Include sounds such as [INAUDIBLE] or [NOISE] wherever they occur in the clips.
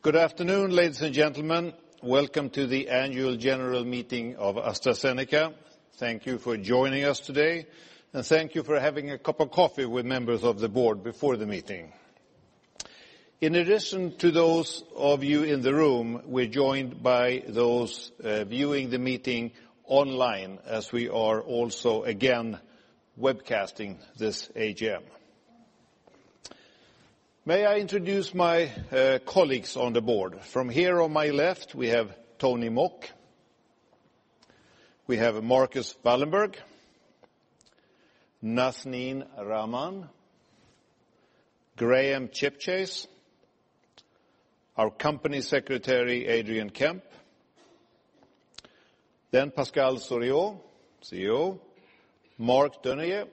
Good afternoon, ladies and gentlemen. Welcome to the annual general meeting of AstraZeneca. Thank you for joining us today. Thank you for having a cup of coffee with members of the board before the meeting. In addition to those of you in the room, we're joined by those viewing the meeting online, as we are also again webcasting this AGM. May I introduce my colleagues on the board? From here on my left, we have Tony Mok. We have Marcus Wallenberg, Nazneen Rahman, Graham Chipchase, our Company Secretary, Adrian Kemp. Pascal Soriot, CEO, Marc Dunoyer.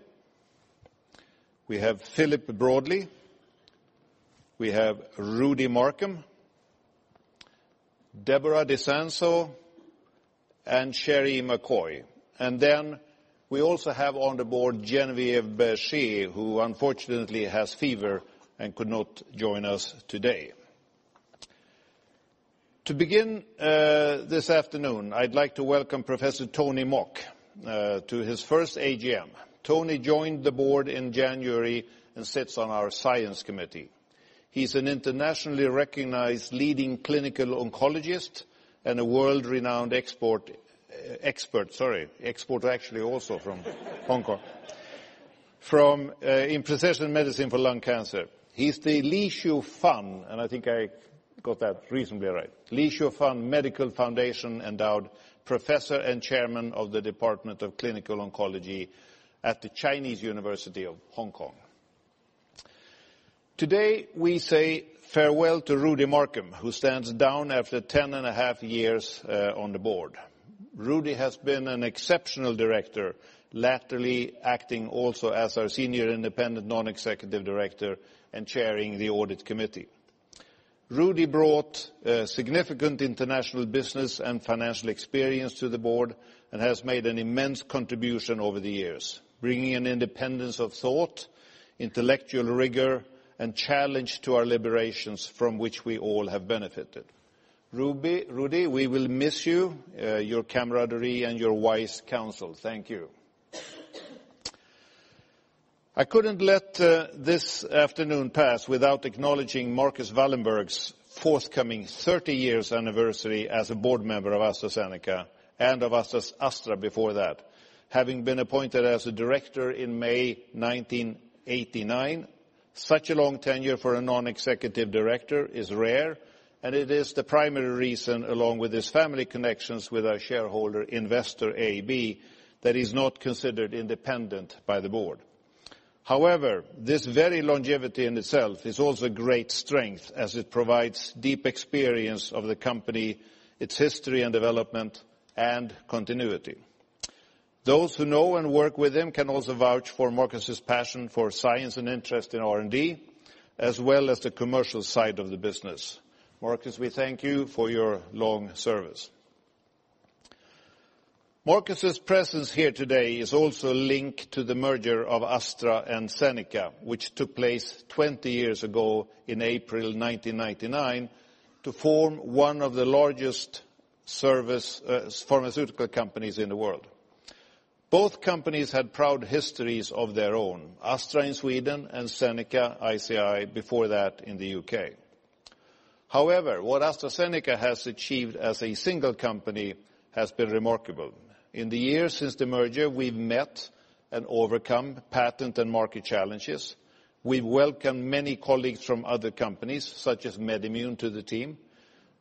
We have Philip Broadley. We have Rudy Markham, Deborah DiSanzo, and Sheri McCoy. We also have on the board, Geneviève Berger, who unfortunately has fever and could not join us today. To begin this afternoon, I'd like to welcome Professor Tony Mok to his first AGM. Tony joined the board in January. He sits on our science committee. He's an internationally recognized leading clinical oncologist and a world-renowned expert, actually also from Hong Kong, in precision medicine for lung cancer. He's the Li Shu Fan. I think I got that reasonably right. Li Shu Fan Medical Foundation Endowed Professor and Chairman of the Department of Clinical Oncology at the Chinese University of Hong Kong. Today, we say farewell to Rudy Markham, who stands down after 10 and a half years on the board. Rudy has been an exceptional director, laterally acting also as our Senior Independent Non-Executive Director and chairing the Audit Committee. Rudy brought significant international business and financial experience to the board. He has made an immense contribution over the years, bringing an independence of thought, intellectual rigor, and challenge to our deliberations from which we all have benefited. Rudy, we will miss you, your camaraderie, and your wise counsel. Thank you. I couldn't let this afternoon pass without acknowledging Marcus Wallenberg's forthcoming 30 years anniversary as a board member of AstraZeneca and of Astra before that, having been appointed as a director in May 1989. Such a long tenure for a non-executive director is rare. It is the primary reason, along with his family connections with our shareholder Investor AB, that is not considered independent by the board. This very longevity in itself is also a great strength as it provides deep experience of the company, its history and development, and continuity. Those who know and work with him can also vouch for Marcus's passion for science and interest in R&D, as well as the commercial side of the business. Marcus, we thank you for your long service. Marcus's presence here today is also linked to the merger of Astra and Zeneca, which took place 20 years ago in April 1999 to form one of the largest service pharmaceutical companies in the world. Both companies had proud histories of their own, Astra in Sweden and Zeneca ICI before that in the U.K. What AstraZeneca has achieved as a single company has been remarkable. In the years since the merger, we've met and overcome patent and market challenges. We've welcomed many colleagues from other companies, such as MedImmune to the team.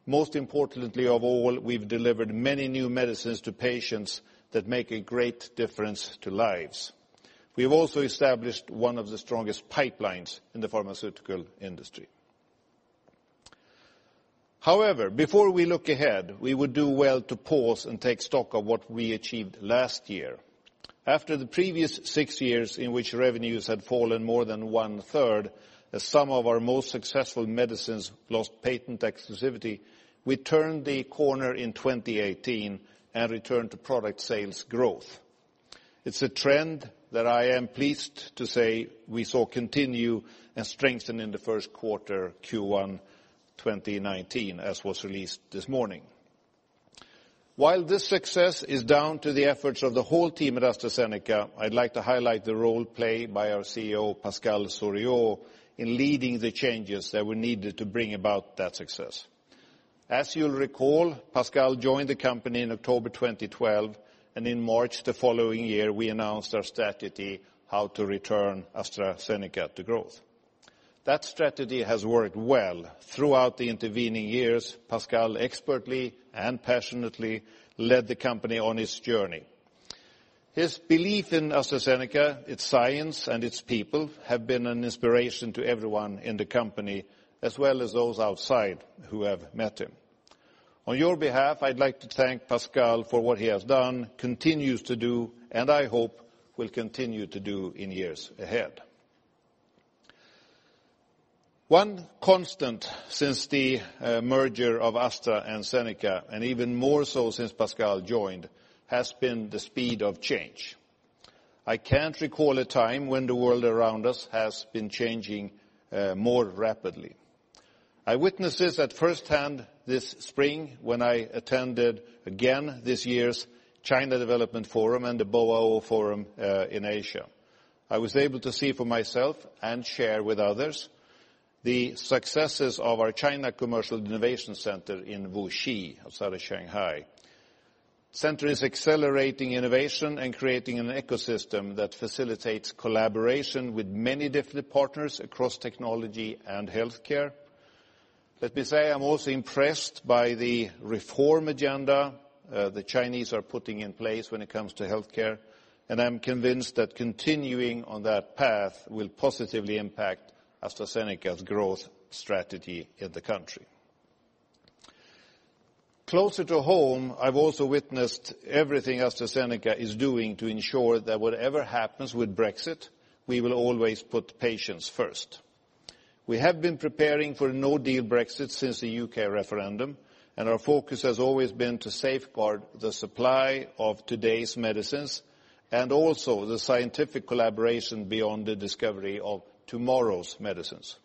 Most importantly of all, we've delivered many new medicines to patients that make a great difference to lives. We've also established one of the strongest pipelines in the pharmaceutical industry. Before we look ahead, we would do well to pause and take stock of what we achieved last year. After the previous six years in which revenues had fallen more than one-third, as some of our most successful medicines lost patent exclusivity, we turned the corner in 2018 and returned to product sales growth. It's a trend that I am pleased to say we saw continue and strengthen in the first quarter, Q1 2019, as was released this morning. While this success is down to the efforts of the whole team at AstraZeneca, I'd like to highlight the role played by our CEO, Pascal Soriot, in leading the changes that were needed to bring about that success. As you'll recall, Pascal joined the company in October 2012, and in March the following year, we announced our strategy how to return AstraZeneca to growth. That strategy has worked well. Throughout the intervening years, Pascal expertly and passionately led the company on its journey. His belief in AstraZeneca, its science, and its people have been an inspiration to everyone in the company, as well as those outside who have met him. On your behalf, I'd like to thank Pascal for what he has done, continues to do, and I hope will continue to do in years ahead. One constant since the merger of Astra and Zeneca, and even more so since Pascal joined, has been the speed of change. I can't recall a time when the world around us has been changing more rapidly. I witnessed this at firsthand this spring when I attended again this year's China Development Forum and the Boao Forum for Asia. I was able to see for myself and share with others the successes of our China Commercial Innovation Center in Wuxi, outside of Shanghai. Center is accelerating innovation and creating an ecosystem that facilitates collaboration with many different partners across technology and healthcare. Let me say, I'm also impressed by the reform agenda the Chinese are putting in place when it comes to healthcare, and I'm convinced that continuing on that path will positively impact AstraZeneca's growth strategy in the country. Closer to home, I've also witnessed everything AstraZeneca is doing to ensure that whatever happens with Brexit, we will always put patients first. We have been preparing for a no-deal Brexit since the U.K. referendum, and our focus has always been to safeguard the supply of today's medicines and also the scientific collaboration beyond the discovery of tomorrow's medicines.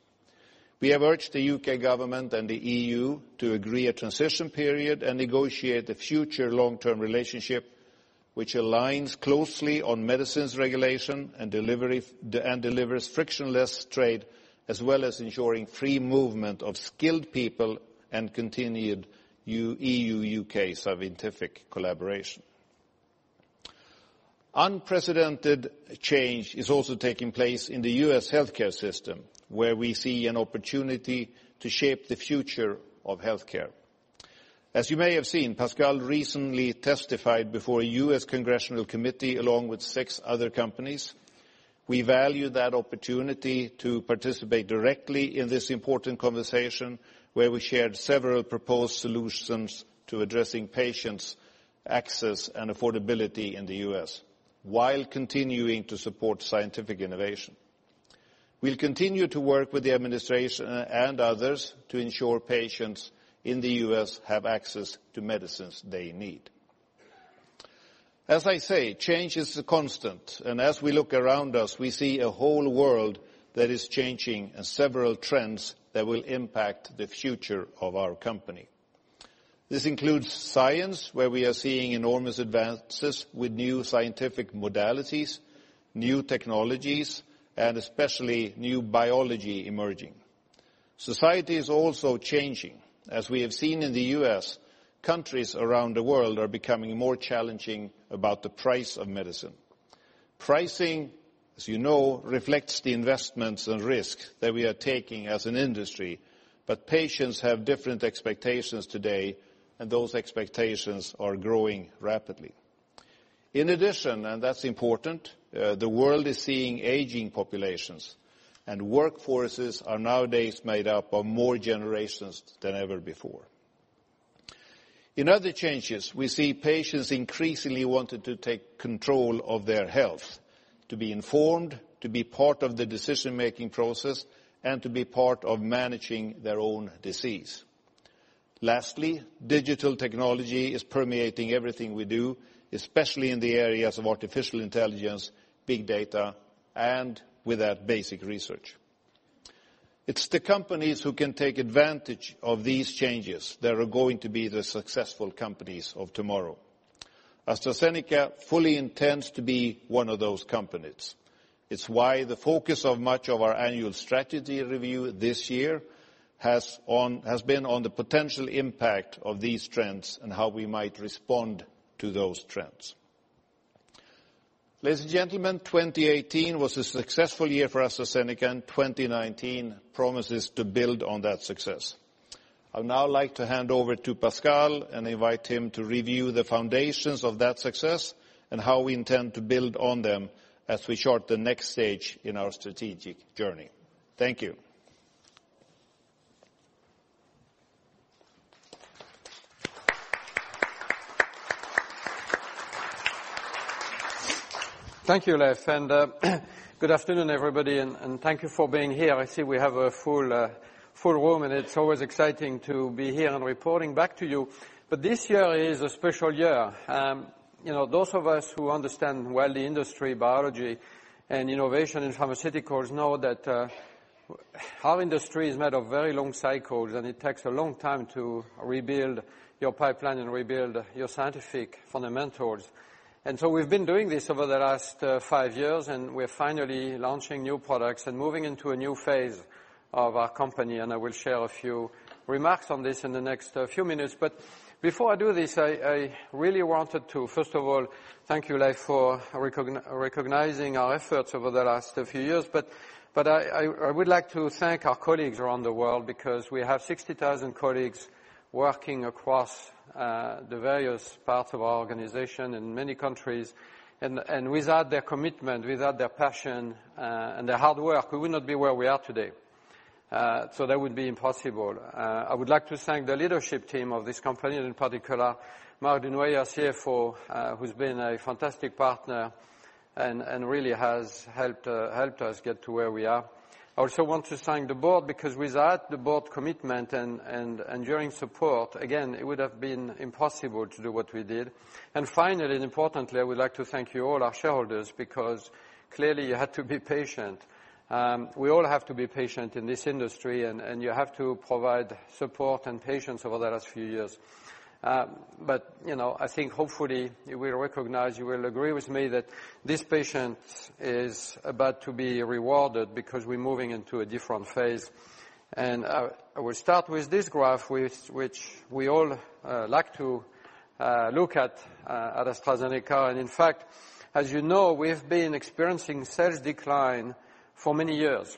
We have urged the U.K. government and the EU to agree a transition period and negotiate a future long-term relationship which aligns closely on medicines regulation and delivers frictionless trade, as well as ensuring free movement of skilled people and continued EU/U.K. scientific collaboration. Unprecedented change is also taking place in the U.S. healthcare system, where we see an opportunity to shape the future of healthcare. As you may have seen, Pascal recently testified before a U.S. congressional committee along with six other companies. We value that opportunity to participate directly in this important conversation, where we shared several proposed solutions to addressing patients' access and affordability in the U.S., while continuing to support scientific innovation. We'll continue to work with the administration and others to ensure patients in the U.S. have access to medicines they need. As I say, change is a constant. As we look around us, we see a whole world that is changing and several trends that will impact the future of our company. This includes science, where we are seeing enormous advances with new scientific modalities, new technologies, and especially new biology emerging. Society is also changing. As we have seen in the U.S., countries around the world are becoming more challenging about the price of medicine. Pricing, as you know, reflects the investments and risk that we are taking as an industry. Patients have different expectations today, and those expectations are growing rapidly. In addition, that's important, the world is seeing aging populations. Workforces are nowadays made up of more generations than ever before. In other changes, we see patients increasingly wanting to take control of their health, to be informed, to be part of the decision-making process, and to be part of managing their own disease. Lastly, digital technology is permeating everything we do, especially in the areas of artificial intelligence, big data, and with that, basic research. It's the companies who can take advantage of these changes that are going to be the successful companies of tomorrow. AstraZeneca fully intends to be one of those companies. It's why the focus of much of our annual strategy review this year has been on the potential impact of these trends and how we might respond to those trends. Ladies and gentlemen, 2018 was a successful year for AstraZeneca and 2019 promises to build on that success. I would now like to hand over to Pascal and invite him to review the foundations of that success and how we intend to build on them as we chart the next stage in our strategic journey. Thank you. Thank you, Leif. Good afternoon, everybody. Thank you for being here. I see we have a full room. It's always exciting to be here reporting back to you. This year is a special year. Those of us who understand well the industry, biology, and innovation in pharmaceuticals know that our industry is made of very long cycles. It takes a long time to rebuild your pipeline and rebuild your scientific fundamentals. We've been doing this over the last five years. We're finally launching new products and moving into a new phase of our company. I will share a few remarks on this in the next few minutes. Before I do this, I really wanted to first of all thank you, Leif, for recognizing our efforts over the last few years. I would like to thank our colleagues around the world because we have 60,000 colleagues working across the various parts of our organization in many countries, and without their commitment, without their passion and their hard work, we would not be where we are today. So that would be impossible. I would like to thank the leadership team of this company, in particular, Marc Dunoyer, CFO, who's been a fantastic partner and really has helped us get to where we are. I also want to thank the board, because without the board commitment and enduring support, again, it would have been impossible to do what we did. Finally, and importantly, I would like to thank you, all our shareholders, because clearly you had to be patient. We all have to be patient in this industry, and you have to provide support and patience over the last few years. I think hopefully you will recognize, you will agree with me that this patience is about to be rewarded because we're moving into a different phase. I will start with this graph, which we all like to look at AstraZeneca. In fact, as you know, we have been experiencing sales decline for many years.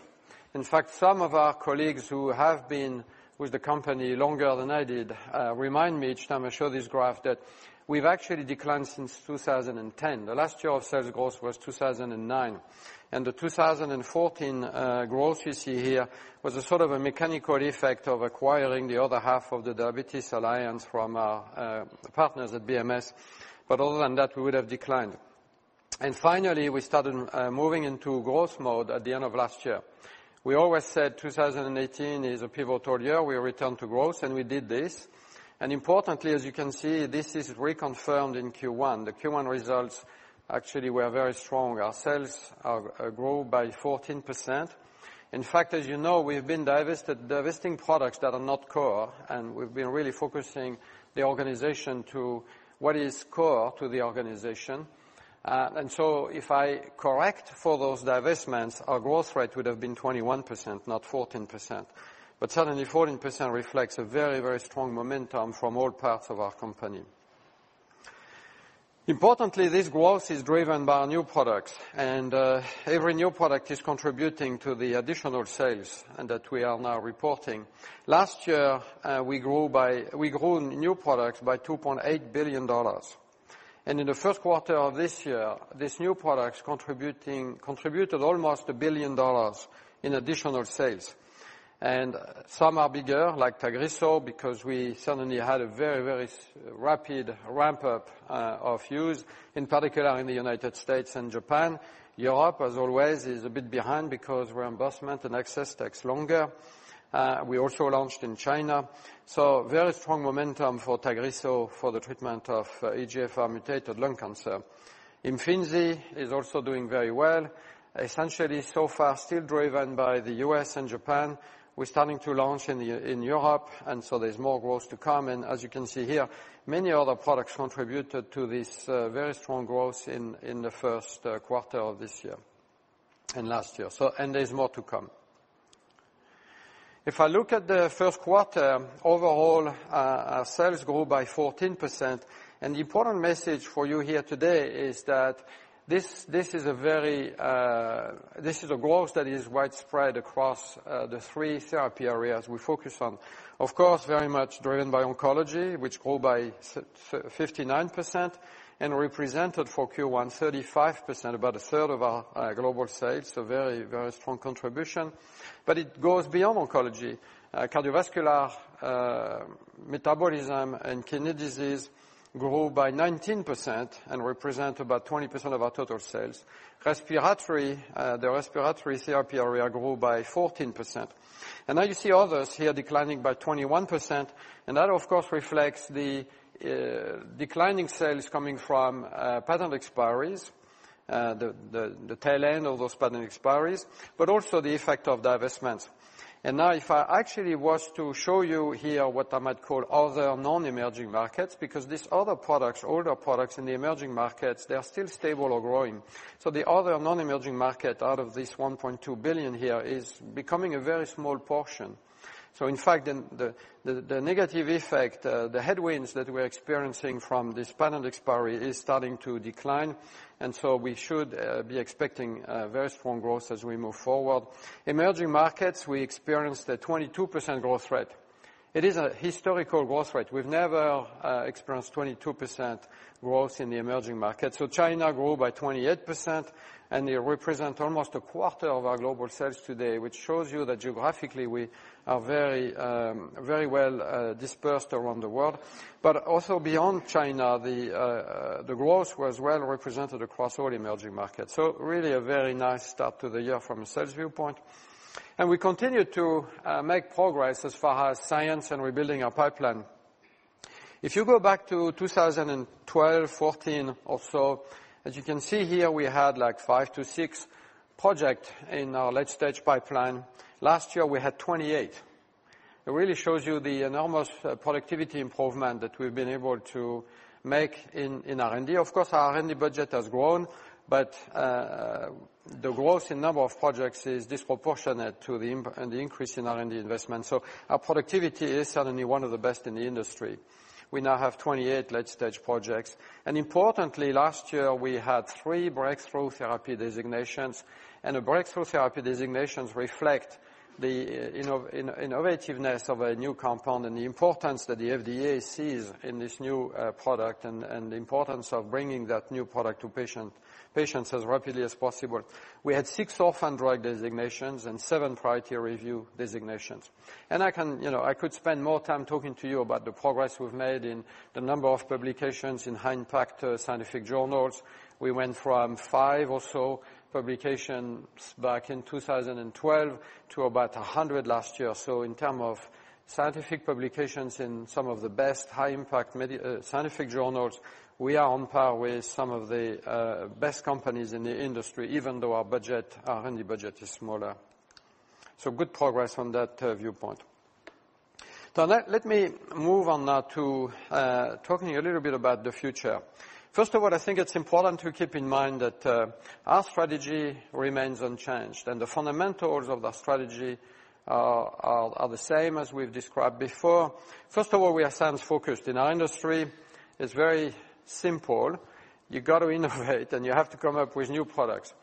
In fact, some of our colleagues who have been with the company longer than I did, remind me each time I show this graph that we've actually declined since 2010. The last year of sales growth was 2009. The 2014 growth you see here was a sort of a mechanical effect of acquiring the other half of the diabetes alliance from our partners at BMS. Other than that, we would have declined. Finally, we started moving into growth mode at the end of last year. We always said 2018 is a pivotal year. We return to growth and we did this. Importantly, as you can see, this is reconfirmed in Q1. The Q1 results actually were very strong. Our sales have grown by 14%. In fact, as you know, we've been divesting products that are not core, and we've been really focusing the organization to what is core to the organization. If I correct for those divestments, our growth rate would have been 21%, not 14%. Certainly 14% reflects a very, very strong momentum from all parts of our company. Importantly, this growth is driven by new products, and every new product is contributing to the additional sales and that we are now reporting. Last year, we grew new products by $2.8 billion. In the first quarter of this year, these new products contributed almost $1 billion in additional sales. Some are bigger, like TAGRISSO, because we suddenly had a very, very rapid ramp-up of use, in particular in the United States and Japan. Europe, as always, is a bit behind because reimbursement and access takes longer. We also launched in China. So very strong momentum for TAGRISSO for the treatment of EGFR mutated lung cancer. IMFINZI is also doing very well. Essentially so far, still driven by the U.S. and Japan. We're starting to launch in Europe, there's more growth to come. As you can see here, many other products contributed to this very strong growth in the first quarter of this year and last year. There's more to come. If I look at the first quarter, overall, our sales grew by 14%. The important message for you here today is that this is a growth that is widespread across the three therapy areas we focus on. Very much driven by oncology, which grew by 59% and represented for Q1 35%, about a third of our global sales, very, very strong contribution. It goes beyond oncology. Cardiovascular metabolism and kidney disease grew by 19% and represent about 20% of our total sales. The respiratory therapy area grew by 14%. Now you see others here declining by 21%. That, of course, reflects the declining sales coming from patent expiries, the tail end of those patent expiries, but also the effect of divestments. Now if I actually was to show you here what I might call other non-emerging markets, because these other products, older products in the emerging markets, they are still stable or growing. The other non-emerging market out of this $1.2 billion here is becoming a very small portion. In fact, the negative effect, the headwinds that we're experiencing from this patent expiry is starting to decline, we should be expecting very strong growth as we move forward. Emerging markets, we experienced a 22% growth rate. It is a historical growth rate. We've never experienced 22% growth in the emerging market. China grew by 28%, and they represent almost a quarter of our global sales today, which shows you that geographically, we are very well dispersed around the world. Also, beyond China, the growth was well represented across all emerging markets. Really a very nice start to the year from a sales viewpoint. We continue to make progress as far as science and rebuilding our pipeline. If you go back to 2012, 2014 or so, as you can see here, we had five to six projects in our late-stage pipeline. Last year, we had 28. It really shows you the enormous productivity improvement that we've been able to make in R&D. Our R&D budget has grown. The growth in number of projects is disproportionate to the increase in R&D investment. Our productivity is certainly one of the best in the industry. We now have 28 late-stage projects. Importantly, last year we had three Breakthrough Therapy Designations, and the Breakthrough Therapy Designations reflect the innovativeness of a new compound and the importance that the FDA sees in this new product and the importance of bringing that new product to patients as rapidly as possible. We had six Orphan Drug Designations and seven Priority Review Designations. I could spend more time talking to you about the progress we've made in the number of publications in high-impact scientific journals. We went from five or so publications back in 2012 to about 100 last year. In term of scientific publications in some of the best high-impact scientific journals, we are on par with some of the best companies in the industry, even though our R&D budget is smaller. Good progress from that viewpoint. Let me move on now to talking a little bit about the future. First of all, I think it's important to keep in mind that our strategy remains unchanged, the fundamentals of that strategy are the same as we've described before. First of all, we are science-focused. In our industry, it's very simple. You got to innovate; you have to come up with new products.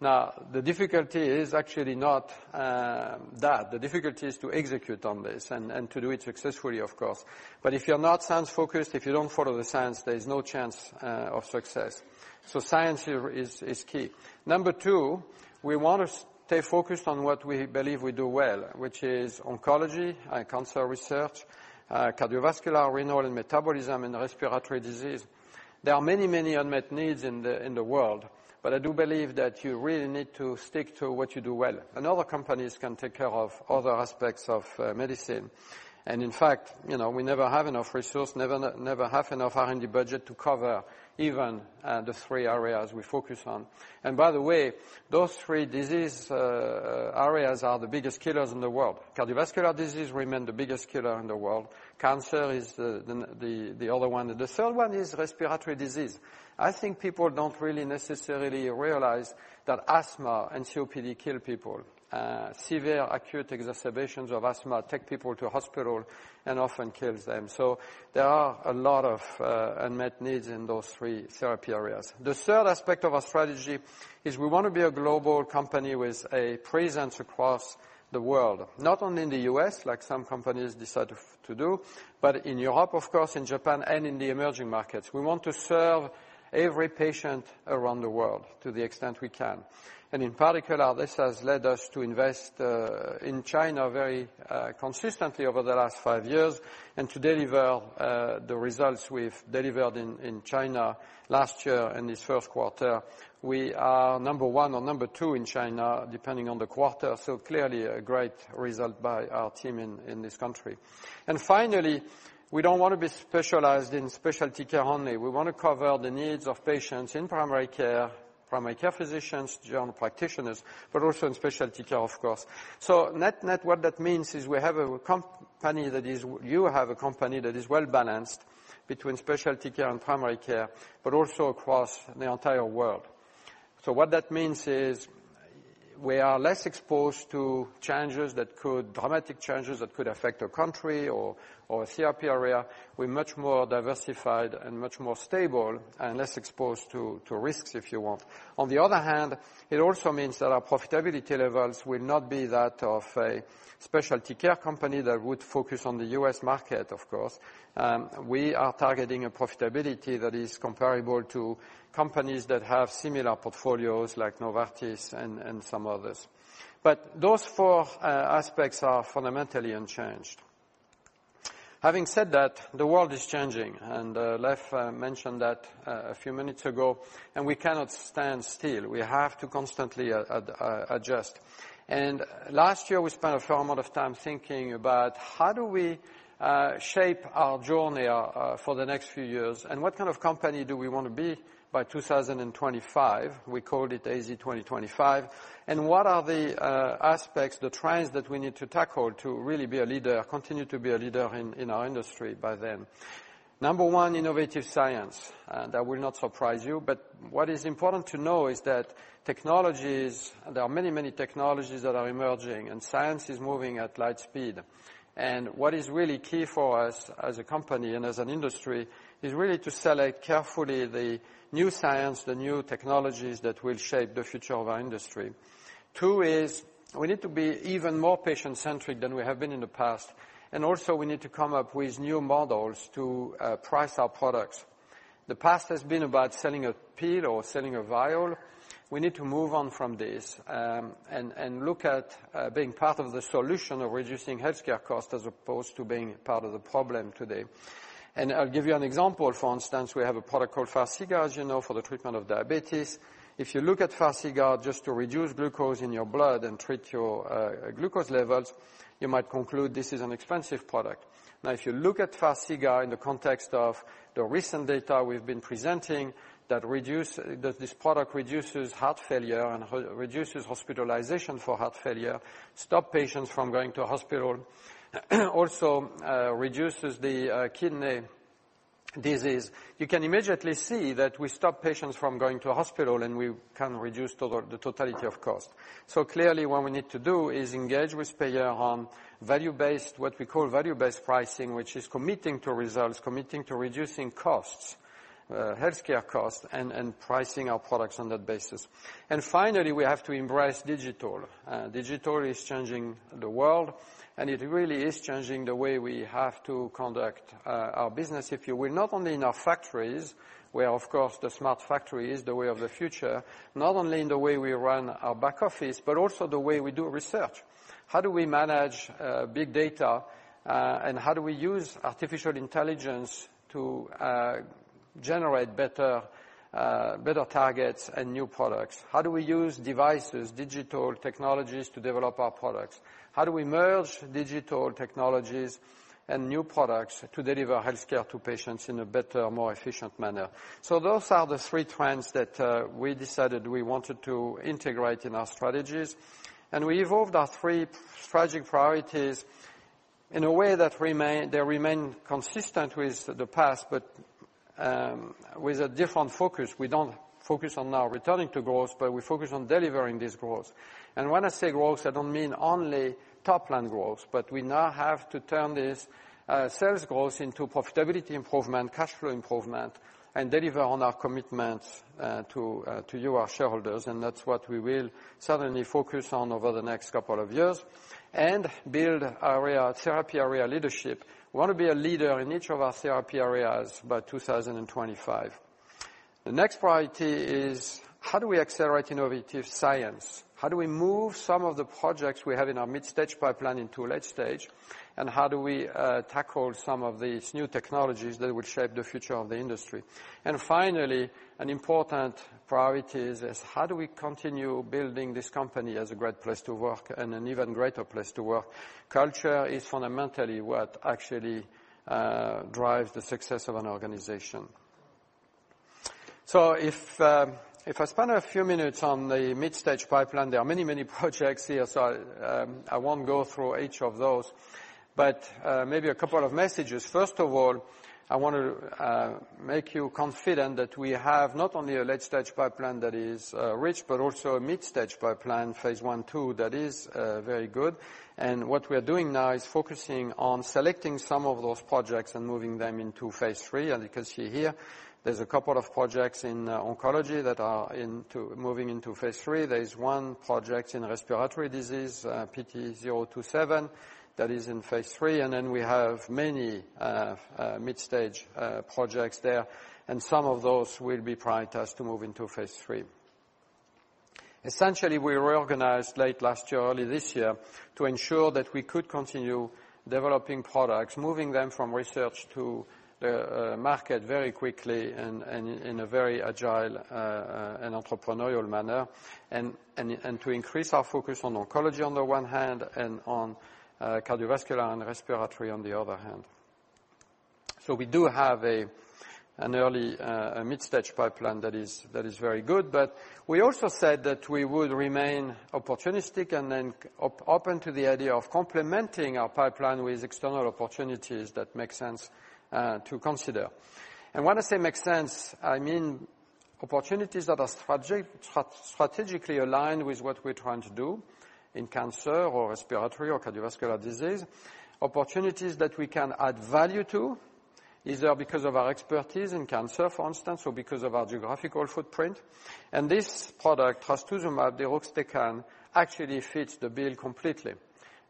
The difficulty is actually not that. The difficulty is to execute on this and to do it successfully, of course. If you're not science-focused, if you don't follow the science, there is no chance of success. Science here is key. Number two, we want to stay focused on what we believe we do well, which is oncology and cancer research, cardiovascular, renal, and metabolism, and respiratory disease. There are many unmet needs in the world, but I do believe that you really need to stick to what you do well, and other companies can take care of other aspects of medicine. In fact, we never have enough resource, never have enough R&D budget to cover even the three areas we focus on. By the way, those three disease areas are the biggest killers in the world. Cardiovascular disease remain the biggest killer in the world. Cancer is the other one. The third one is respiratory disease. I think people don't really necessarily realize that asthma and COPD kill people. Severe acute exacerbations of asthma take people to hospital and often kills them. There are a lot of unmet needs in those three therapy areas. The third aspect of our strategy is we want to be a global company with a presence across the world, not only in the U.S. like some companies decide to do, but in Europe, of course, in Japan, and in the emerging markets. We want to serve every patient around the world to the extent we can. In particular, this has led us to invest in China very consistently over the last five years and to deliver the results we've delivered in China last year and this first quarter. We are number one or number two in China, depending on the quarter. Clearly, a great result by our team in this country. Finally, we don't want to be specialized in specialty care only. We want to cover the needs of patients in primary care, primary care physicians, general practitioners, but also in specialty care, of course. Net, what that means is you have a company that is well-balanced between specialty care and primary care, but also across the entire world. What that means is we are less exposed to dramatic changes that could affect a country or a therapy area. We're much more diversified and much more stable and less exposed to risks, if you want. On the other hand, it also means that our profitability levels will not be that of a specialty care company that would focus on the U.S. market, of course. We are targeting a profitability that is comparable to companies that have similar portfolios, like Novartis and some others. Those four aspects are fundamentally unchanged. Having said that, the world is changing, and Leif mentioned that a few minutes ago, and we cannot stand still. We have to constantly adjust. Last year, we spent a fair amount of time thinking about how do we shape our journey for the next few years, and what kind of company do we want to be by 2025? We called it AZ 2025. What are the aspects, the trends that we need to tackle to really be a leader, continue to be a leader in our industry by then? Number one, innovative science. That will not surprise you, but what is important to know is that there are many technologies that are emerging, and science is moving at light speed. What is really key for us as a company and as an industry is really to select carefully the new science, the new technologies that will shape the future of our industry. Two is we need to be even more patient-centric than we have been in the past, and also, we need to come up with new models to price our products. The past has been about selling a pill or selling a vial. We need to move on from this and look at being part of the solution of reducing healthcare costs as opposed to being part of the problem today. I'll give you an example. For instance, we have a product called FARXIGA, as you know, for the treatment of diabetes. If you look at FARXIGA just to reduce glucose in your blood and treat your glucose levels, you might conclude this is an expensive product. Now, if you look at FARXIGA in the context of the recent data we've been presenting, that this product reduces heart failure and reduces hospitalization for heart failure, stop patients from going to hospital, also reduces the kidney disease, you can immediately see that we stop patients from going to a hospital, and we can reduce the totality of cost. Clearly, what we need to do is engage with payer on what we call value-based pricing, which is committing to results, committing to reducing costs, healthcare costs, and pricing our products on that basis. Finally, we have to embrace digital. Digital is changing the world, and it really is changing the way we have to conduct our business, if you will, not only in our factories, where, of course, the smart factory is the way of the future, not only in the way we run our back office, but also the way we do research. How do we manage big data? How do we use artificial intelligence to generate better targets and new products? How do we use devices, digital technologies to develop our products? How do we merge digital technologies and new products to deliver healthcare to patients in a better, more efficient manner? Those are the three trends that we decided we wanted to integrate in our strategies. We evolved our three strategic priorities in a way that they remain consistent with the past, but with a different focus. We don't focus on now returning to growth, but we focus on delivering this growth. When I say growth, I don't mean only top-line growth, but we now have to turn this sales growth into profitability improvement, cash flow improvement, and deliver on our commitments to you, our shareholders. That's what we will certainly focus on over the next couple of years and build our therapy area leadership. We want to be a leader in each of our therapy areas by 2025. The next priority is how do we accelerate innovative science? How do we move some of the projects we have in our mid-stage pipeline into a late stage? How do we tackle some of these new technologies that will shape the future of the industry? Finally, an important priority is how do we continue building this company as a great place to work and an even greater place to work? Culture is fundamentally what actually drives the success of an organization. If I spend a few minutes on the mid-stage pipeline, there are many projects here. I won't go through each of those, but maybe a couple of messages. First of all, I want to make you confident that we have not only a late-stage pipeline that is rich, but also a mid-stage pipeline, phase I/II, that is very good. What we are doing now is focusing on selecting some of those projects and moving them into phase III. You can see here, there's a couple of projects in oncology that are moving into phase III. There is one project in respiratory disease, PT027, that is in phase III, and then we have many mid-stage projects there, and some of those will be prioritized to move into phase III. Essentially, we reorganized late last year, early this year, to ensure that we could continue developing products, moving them from research to market very quickly and in a very agile and entrepreneurial manner and to increase our focus on oncology on the one hand and on cardiovascular and respiratory on the other hand. We do have an early mid-stage pipeline that is very good. We also said that we would remain opportunistic and then open to the idea of complementing our pipeline with external opportunities that make sense to consider. When I say make sense, I mean opportunities that are strategically aligned with what we're trying to do in cancer or respiratory or cardiovascular disease. Opportunities that we can add value to, either because of our expertise in cancer, for instance, or because of our geographical footprint. This product, trastuzumab deruxtecan, actually fits the bill completely.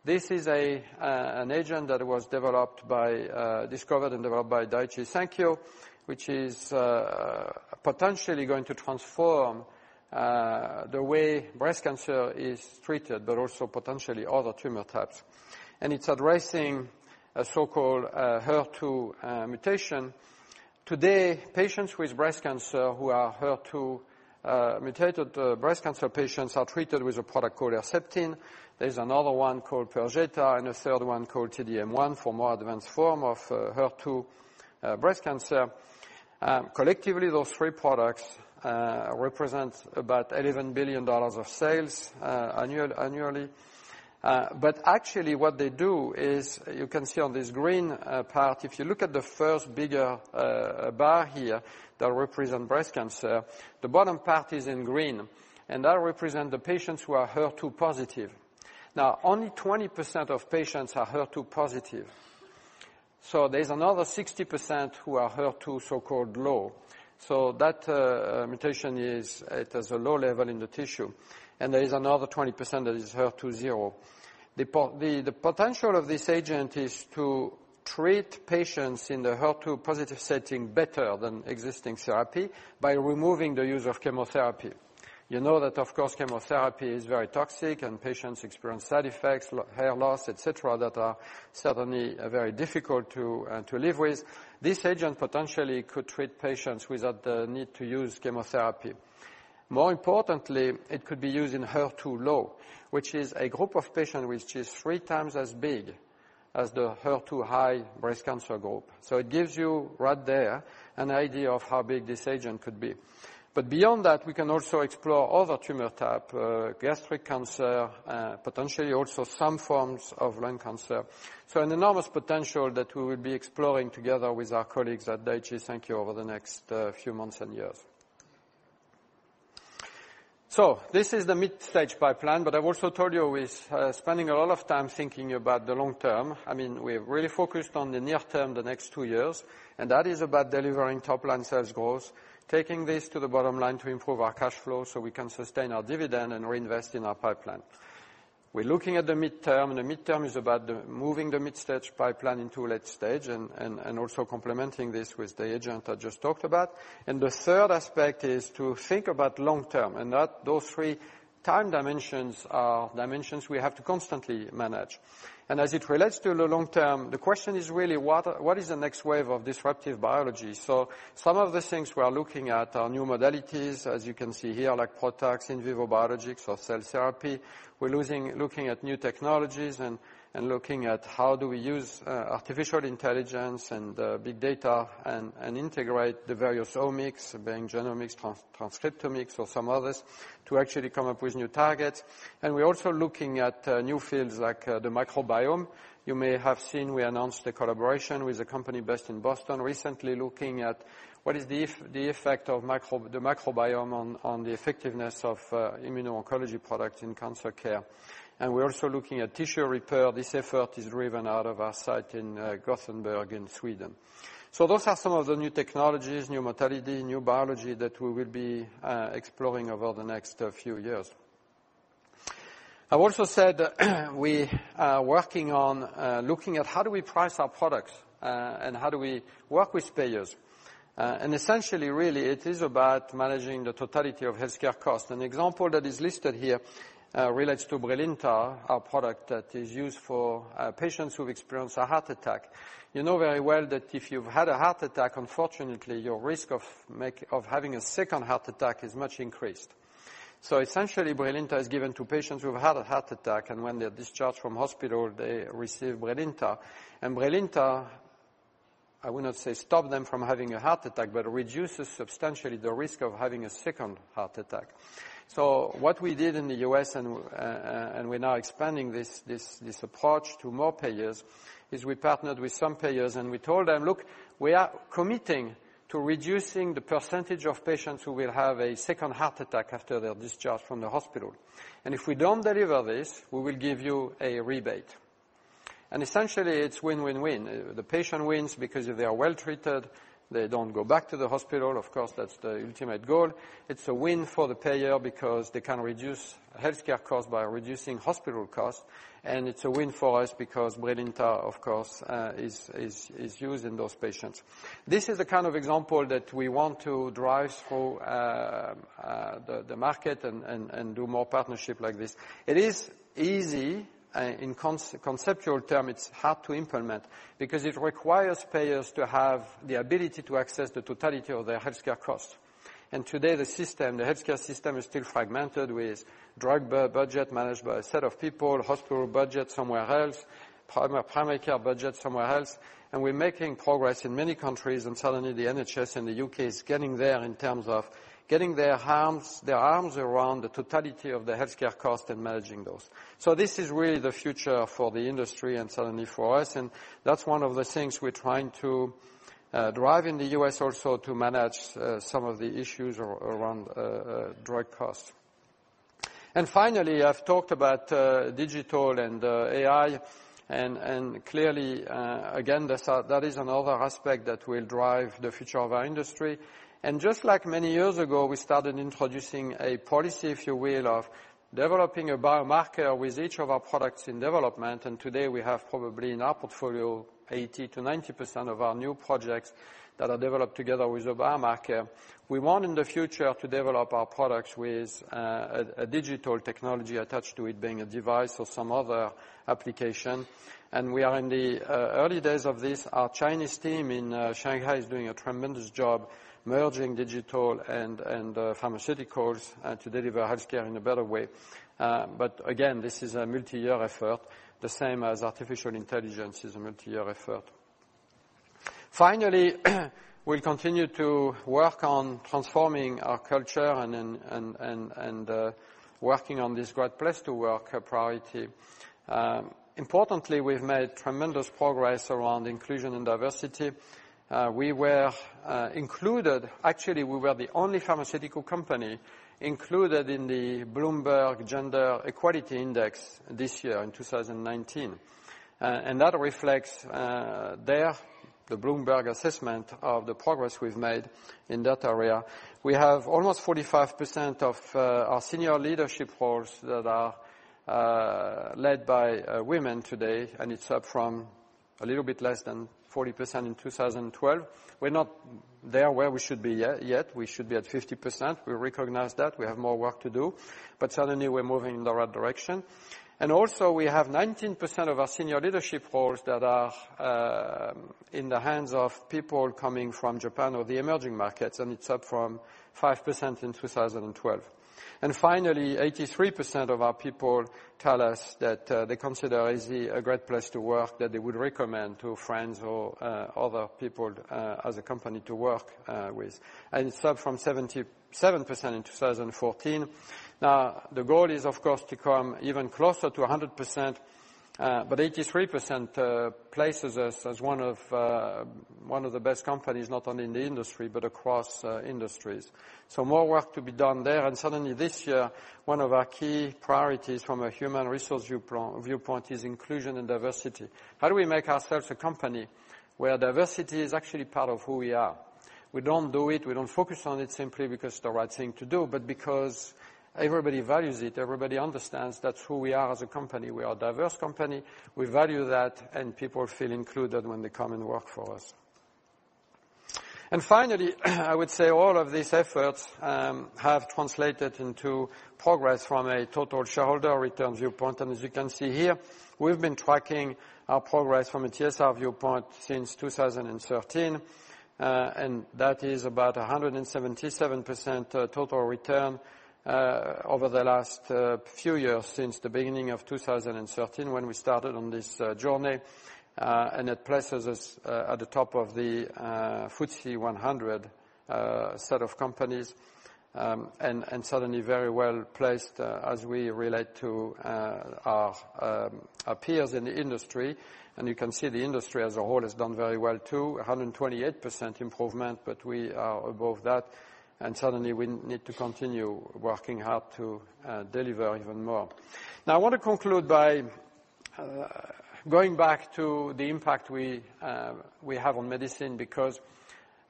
This is an agent that was discovered and developed by Daiichi Sankyo, which is potentially going to transform the way breast cancer is treated, but also potentially other tumor types. It's addressing a so-called HER2 mutation. Today, patients with breast cancer who are HER2 mutated breast cancer patients are treated with a product called Herceptin. There's another one called Perjeta and a third one called T-DM1 for more advanced form of HER2 breast cancer. Collectively, those three products represent about $11 billion of sales annually. Actually, what they do is, you can see on this green part, if you look at the first bigger bar here that represent breast cancer, the bottom part is in green, and that represent the patients who are HER2 positive. Now, only 20% of patients are HER2 positive. There's another 60% who are HER2 so-called low. That mutation is at a low level in the tissue, and there is another 20% that is HER2 zero. The potential of this agent is to treat patients in the HER2 positive setting better than existing therapy by removing the use of chemotherapy. You know that, of course, chemotherapy is very toxic, and patients experience side effects, hair loss, et cetera, that are certainly very difficult to live with. This agent potentially could treat patients without the need to use chemotherapy. More importantly, it could be used in HER2-low, which is a group of patients which is three times as big as the HER2-high breast cancer group. It gives you right there an idea of how big this agent could be. Beyond that, we can also explore other tumor type, gastric cancer, potentially also some forms of lung cancer. An enormous potential that we will be exploring together with our colleagues at Daiichi Sankyo over the next few months and years. This is the mid-stage pipeline, but I've also told you we're spending a lot of time thinking about the long term. We've really focused on the near term, the next two years, and that is about delivering top-line sales growth, taking this to the bottom line to improve our cash flow so we can sustain our dividend and reinvest in our pipeline. We're looking at the mid-term, the mid-term is about moving the mid-stage pipeline into a late-stage and also complementing this with the agent I just talked about. The third aspect is to think about long term, and those three time dimensions are dimensions we have to constantly manage. As it relates to the long term, the question is really what is the next wave of disruptive biology? Some of the things we are looking at are new modalities, as you can see here, like PROTACs, in vivo biologics or cell therapy. We're looking at new technologies and looking at how do we use artificial intelligence and big data and integrate the various omics, being genomics, transcriptomics or some others, to actually come up with new targets. We're also looking at new fields like the microbiome. You may have seen we announced a collaboration with a company based in Boston recently looking at what is the effect of the microbiome on the effectiveness of immuno-oncology products in cancer care. We're also looking at tissue repair. This effort is driven out of our site in Gothenburg in Sweden. Those are some of the new technologies, new modality, new biology that we will be exploring over the next few years. I've also said we are working on looking at how do we price our products, and how do we work with payers. Essentially really it is about managing the totality of healthcare costs. An example that is listed here relates to BRILINTA, our product that is used for patients who've experienced a heart attack. You know very well that if you've had a heart attack, unfortunately, your risk of having a second heart attack is much increased. Essentially, BRILINTA is given to patients who have had a heart attack, and when they're discharged from hospital, they receive BRILINTA. BRILINTA, I would not say stop them from having a heart attack, but reduces substantially the risk of having a second heart attack. What we did in the U.S., and we're now expanding this approach to more payers, is we partnered with some payers, and we told them, "Look, we are committing to reducing the percentage of patients who will have a second heart attack after they're discharged from the hospital. If we don't deliver this, we will give you a rebate." Essentially, it's win-win-win. The patient wins because they are well treated. They don't go back to the hospital. Of course, that's the ultimate goal. It's a win for the payer because they can reduce healthcare costs by reducing hospital costs, and it's a win for us because BRILINTA, of course, is used in those patients. This is the kind of example that we want to drive through the market and do more partnership like this. It is easy. In conceptual term, it's hard to implement because it requires payers to have the ability to access the totality of their healthcare costs. Today, the system, the healthcare system is still fragmented with drug budget managed by a set of people, hospital budget somewhere else, primary care budget somewhere else. We're making progress in many countries, and certainly the NHS in the U.K. is getting there in terms of getting their arms around the totality of the healthcare cost and managing those. This is really the future for the industry and certainly for us, and that's one of the things we're trying to drive in the U.S. also to manage some of the issues around drug costs. Finally, I've talked about digital and AI, and clearly, again, that is another aspect that will drive the future of our industry. Just like many years ago, we started introducing a policy, if you will, of developing a biomarker with each of our products in development. Today we have probably in our portfolio 80%-90% of our new projects that are developed together with a biomarker. We want in the future to develop our products with a digital technology attached to it being a device or some other application. We are in the early days of this. Our Chinese team in Shanghai is doing a tremendous job merging digital and pharmaceuticals and to deliver healthcare in a better way. Again, this is a multi-year effort, the same as artificial intelligence is a multi-year effort. Finally, we'll continue to work on transforming our culture and working on this great place to work priority. Importantly, we've made tremendous progress around inclusion and diversity. We were included, actually, we were the only pharmaceutical company included in the Bloomberg Gender-Equality Index this year in 2019. That reflects the Bloomberg assessment of the progress we've made in that area. We have almost 45% of our senior leadership roles that are led by women today, and it's up from a little bit less than 40% in 2012. We're not there where we should be yet. We should be at 50%. We recognize that. We have more work to do, but certainly we're moving in the right direction. Also, we have 19% of our senior leadership roles that are in the hands of people coming from Japan or the emerging markets, and it's up from 5% in 2012. Finally, 83% of our people tell us that they consider AZ a great place to work, that they would recommend to friends or other people as a company to work with. It's up from 77% in 2014. Now, the goal is, of course, to come even closer to 100%, but 83% places us as one of the best companies, not only in the industry but across industries. More work to be done there. Certainly, this year, one of our key priorities from a human resource viewpoint is inclusion and diversity. How do we make ourselves a company where diversity is actually part of who we are? We don't do it, we don't focus on it simply because it's the right thing to do, but because everybody values it, everybody understands that's who we are as a company. We are a diverse company. We value that, and people feel included when they come and work for us. Finally, I would say all of these efforts have translated into progress from a total shareholder return viewpoint. As you can see here, we've been tracking our progress from a TSR viewpoint since 2013. That is about 177% total return over the last few years since the beginning of 2013 when we started on this journey. It places us at the top of the FTSE 100 set of companies, and certainly very well-placed as we relate to our peers in the industry. You can see the industry as a whole has done very well, too, 128% improvement, but we are above that. Certainly, we need to continue working hard to deliver even more. Now, I want to conclude by going back to the impact we have on medicine because,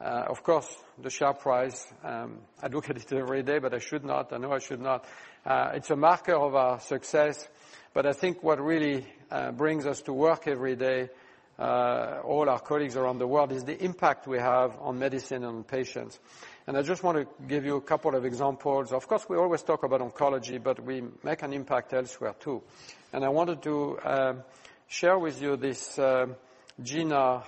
of course, the share price, I look at it every day, but I should not. I know I should not. It's a marker of our success, but I think what really brings us to work every day, all our colleagues around the world, is the impact we have on medicine and patients. I just want to give you a couple of examples. Of course, we always talk about oncology, but we make an impact elsewhere, too. I wanted to share with you this GINA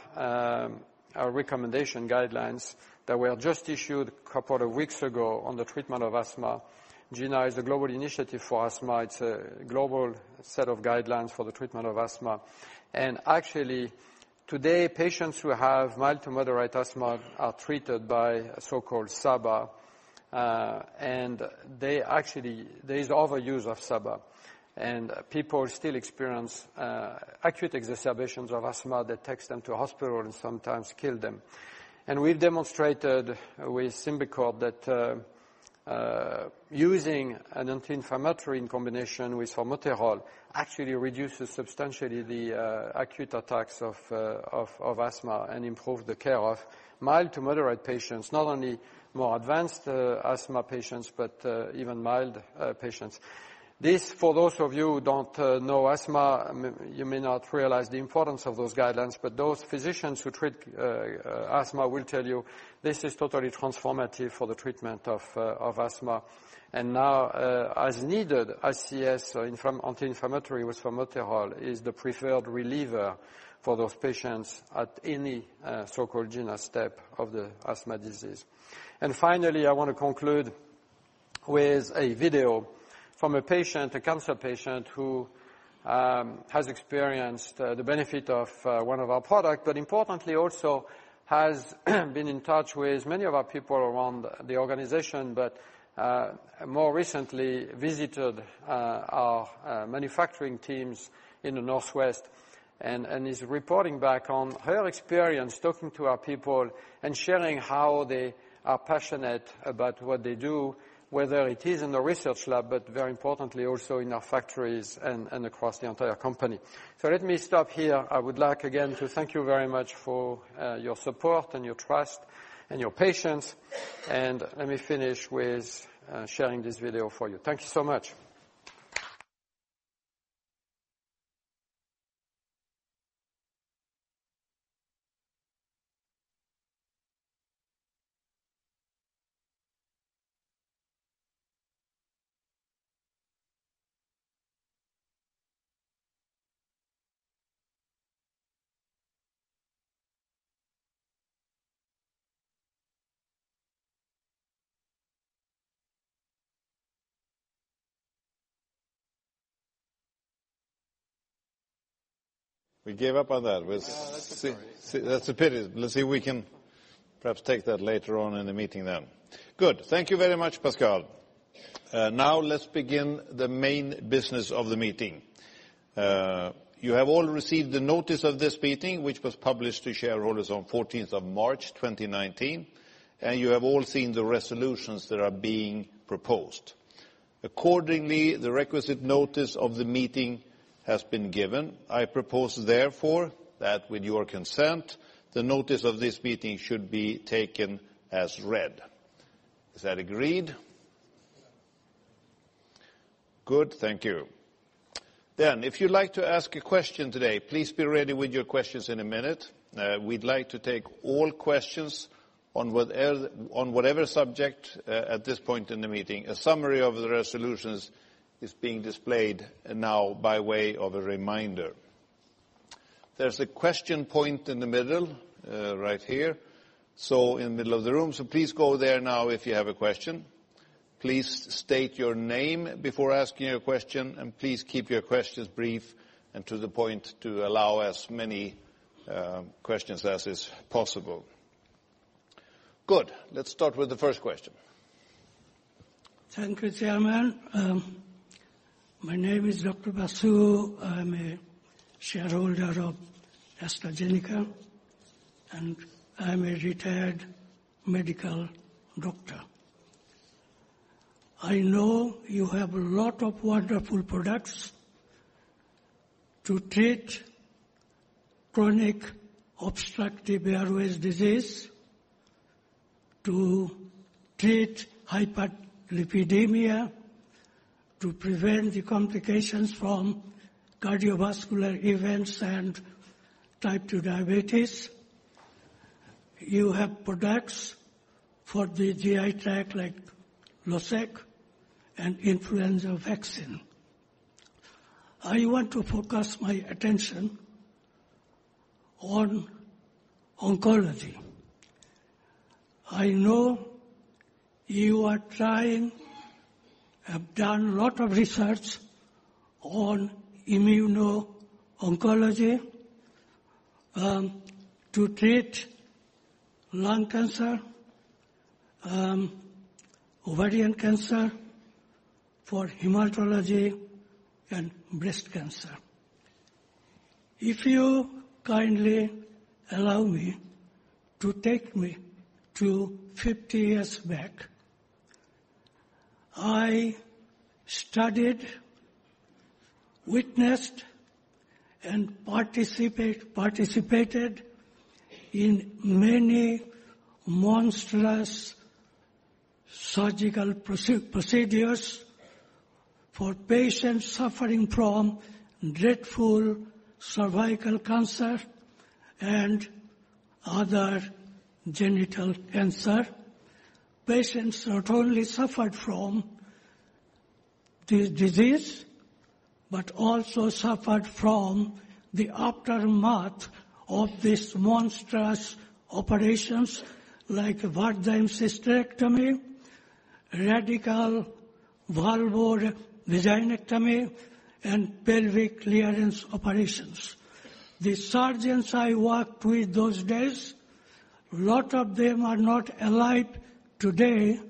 recommendation guidelines that were just issued a couple of weeks ago on the treatment of asthma. GINA is the Global Initiative for Asthma. It's a global set of guidelines for the treatment of asthma. Actually, today, patients who have mild to moderate asthma are treated by so-called SABA. There is overuse of SABA, and people still experience acute exacerbations of asthma that takes them to hospital and sometimes kill them. We've demonstrated with SYMBICORT that using an anti-inflammatory in combination with formoterol actually reduces substantially the acute attacks of asthma and improve the care of mild to moderate patients, not only more advanced asthma patients, but even mild patients. This, for those of you who don't know asthma, you may not realize the importance of those guidelines, but those physicians who treat asthma will tell you this is totally transformative for the treatment of asthma. Now, as needed, ICS or anti-inflammatory with formoterol is the preferred reliever for those patients at any so-called GINA step of the asthma disease. Finally, I want to conclude with a video from a patient, a cancer patient, who has experienced the benefit of one of our product, but importantly also has been in touch with many of our people around the organization but more recently visited our manufacturing teams in the Northwest and is reporting back on her experience talking to our people and sharing how they are passionate about what they do, whether it is in the research lab, very importantly also in our factories and across the entire company. Let me stop here. I would like again to thank you very much for your support and your trust and your patience. Let me finish with sharing this video for you. Thank you so much. We gave up on that. That's a pity. Let's see if we can perhaps take that later on in the meeting then. Good. Thank you very much, Pascal. Now let's begin the main business of the meeting. You have all received the notice of this meeting, which was published to shareholders on 14th of March 2019, you have all seen the resolutions that are being proposed. Accordingly, the requisite notice of the meeting has been given. I propose therefore, that with your consent, the notice of this meeting should be taken as read. Is that agreed? Good. Thank you. If you'd like to ask a question today, please be ready with your questions in a minute. We'd like to take all questions on whatever subject at this point in the meeting. A summary of the resolutions is being displayed now by way of a reminder. There's a question point in the middle right here, so in the middle of the room. Please go there now if you have a question. Please state your name before asking your question. Please keep your questions brief and to the point to allow as many questions as is possible. Good. Let's start with the first question. Thank you, Chairman. My name is Dr. Basu. I'm a shareholder of AstraZeneca, and I'm a retired medical doctor. I know you have a lot of wonderful products to treat chronic obstructive airways disease, to treat hyperlipidemia, to prevent the complications from cardiovascular events and type 2 diabetes. You have products for the GI tract like Losec and influenza vaccine. I want to focus my attention on oncology. I know you have done a lot of research on immuno-oncology to treat lung cancer, ovarian cancer, for hematology, and breast cancer. If you kindly allow me to take me to 50 years back, I studied, witnessed, and participated in many monstrous surgical procedures for patients suffering from dreadful cervical cancer and other genital cancer. Patients not only suffered from this disease but also suffered from the aftermath of these monstrous operations like vaginectomy, radical vulvectomy and pelvic clearance operations. The surgeons I worked with those days, a lot of them are not alive today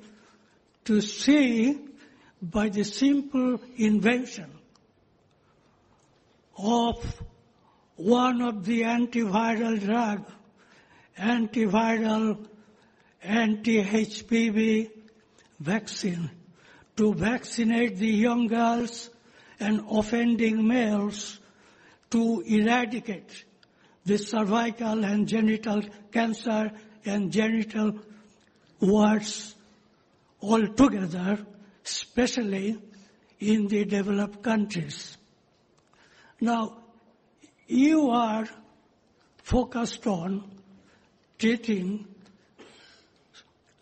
to see by the simple invention of one of the antiviral anti-HPV vaccines to vaccinate the young girls and offending males to eradicate the cervical and genital cancer and genital warts altogether, especially in the developed countries. You are focused on treating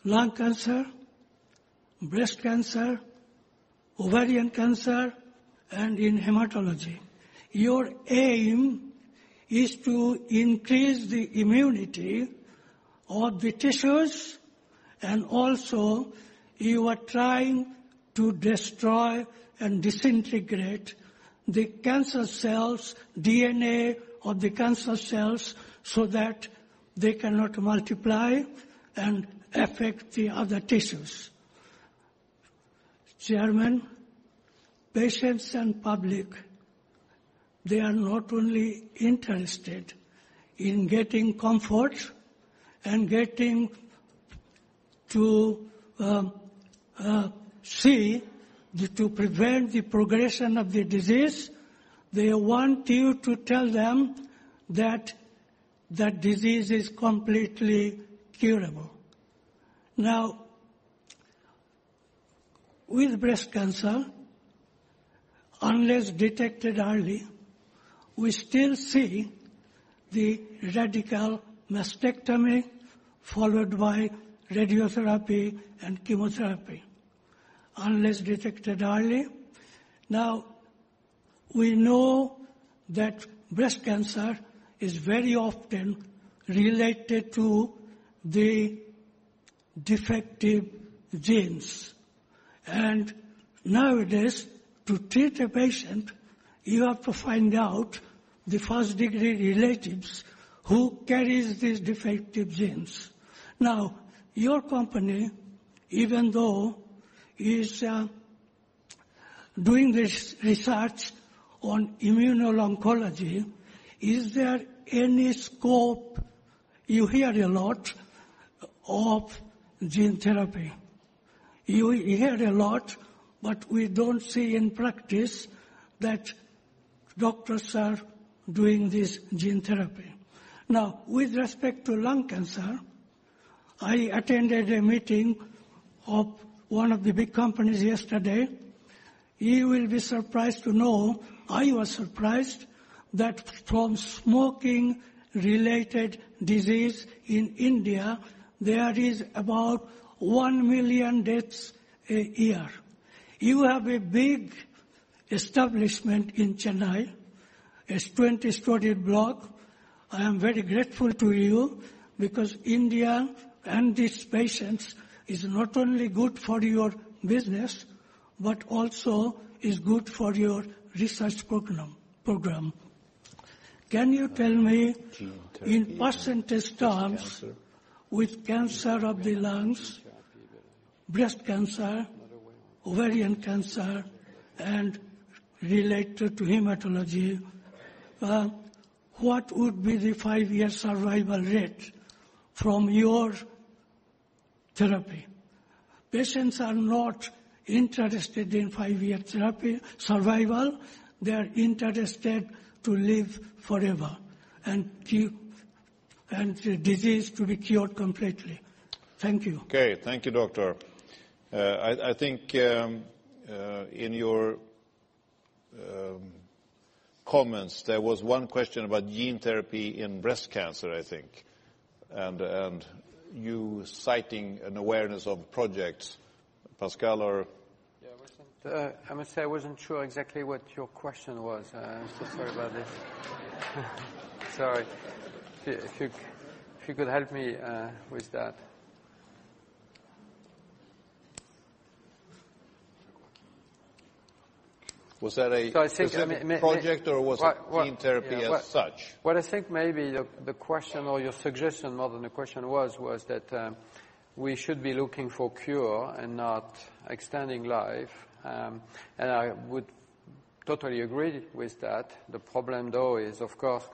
lung cancer, breast cancer, ovarian cancer, and in hematology. Your aim is to increase the immunity of the tissues. Also, you are trying to destroy and disintegrate the DNA of the cancer cells so that they cannot multiply and affect the other tissues. Chairman, patients and public, they are not only interested in getting comfort and getting to see to prevent the progression of the disease. They want you to tell them that that disease is completely curable. With breast cancer, unless detected early, we still see the radical mastectomy followed by radiotherapy and chemotherapy, unless detected early. We know that breast cancer is very often related to the defective genes. Nowadays, to treat a patient, you have to find out the first-degree relatives who carries these defective genes. Your company, even though is doing this research on immuno-oncology, is there any scope? You hear a lot of gene therapy. You hear a lot, but we don't see in practice that doctors are doing this gene therapy. With respect to lung cancer, I attended a meeting of one of the big companies yesterday. You will be surprised to know, I was surprised, that from smoking-related disease in India, there is about 1 million deaths a year. You have a big establishment in Chennai. It's 20-story block. I am very grateful to you because India and these patients is not only good for your business, but also is good for your research program. Can you tell me in percentage terms, with cancer of the lungs, breast cancer, ovarian cancer, and related to hematology, what would be the five-year survival rate from your therapy? Patients are not interested in five-year therapy survival. They're interested to live forever, and the disease to be cured completely. Thank you. Okay. Thank you, doctor. I think in your comments, there was one question about gene therapy in breast cancer, I think, and you citing an awareness of projects. Pascal or Yeah. I must say, I wasn't sure exactly what your question was. I'm so sorry about this. Sorry. If you could help me with that. Was that a specific project or was it gene therapy as such? What I think may be the question or your suggestion, more than a question, was that we should be looking for cure and not extending life. I would totally agree with that. The problem, though, is, of course,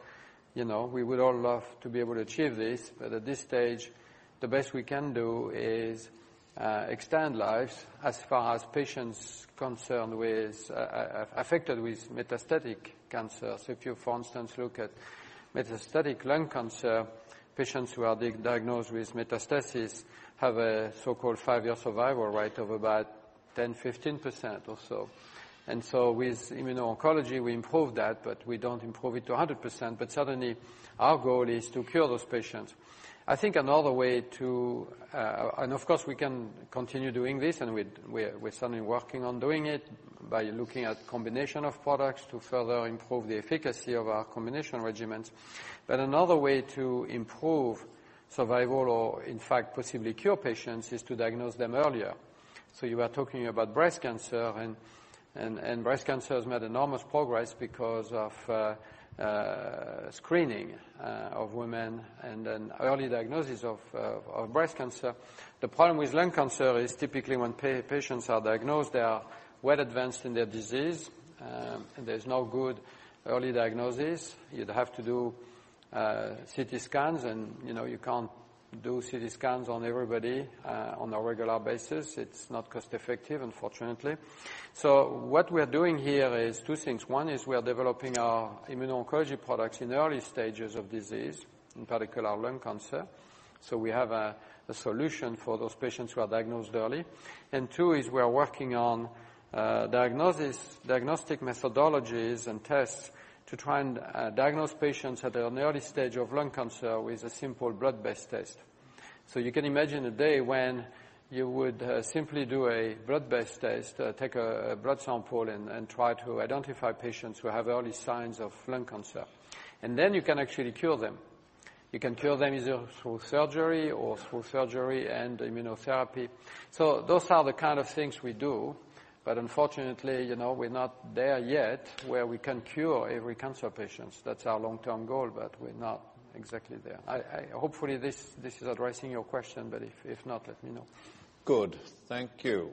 we would all love to be able to achieve this. At this stage, the best we can do is extend lives as far as patients affected with metastatic cancer. If you, for instance, look at metastatic lung cancer, patients who are diagnosed with metastasis have a so-called five-year survival rate of about 10%-15% or so. With immuno-oncology, we improve that, but we don't improve it to 100%. Certainly, our goal is to cure those patients. Of course, we can continue doing this, and we're certainly working on doing it by looking at combination of products to further improve the efficacy of our combination regimens. Another way to improve survival or, in fact, possibly cure patients, is to diagnose them earlier. You are talking about breast cancer, breast cancer has made enormous progress because of screening of women and an early diagnosis of breast cancer. The problem with lung cancer is typically when patients are diagnosed, they are well advanced in their disease. There's no good early diagnosis. You'd have to do CT scans, you can't do CT scans on everybody on a regular basis. It's not cost effective, unfortunately. What we are doing here is two things. One is we are developing our immuno-oncology products in early stages of disease, in particular lung cancer. We have a solution for those patients who are diagnosed early. Two is we are working on diagnostic methodologies and tests to try and diagnose patients at an early stage of lung cancer with a simple blood-based test. You can imagine a day when you would simply do a blood-based test, take a blood sample, and try to identify patients who have early signs of lung cancer. Then you can actually cure them. You can cure them either through surgery or through surgery and immunotherapy. Those are the kind of things we do, unfortunately, we're not there yet where we can cure every cancer patient. That's our long-term goal, we're not exactly there. Hopefully, this is addressing your question, if not, let me know. Good. Thank you.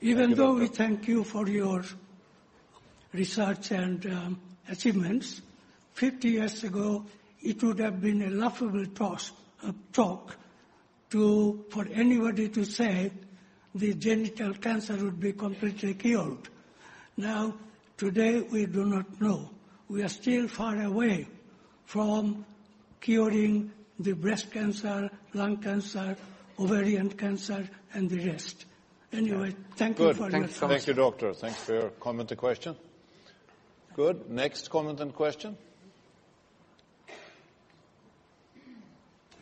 Even though we thank you for your research and achievements, 50 years ago, it would have been a laughable talk for anybody to say the genital cancer would be completely cured. Today, we do not know. We are still far away from curing the breast cancer, lung cancer, ovarian cancer, and the rest. Anyway, thank you for your time. Good. Thank you, doctor. Thanks for your comment and question. Good. Next comment and question.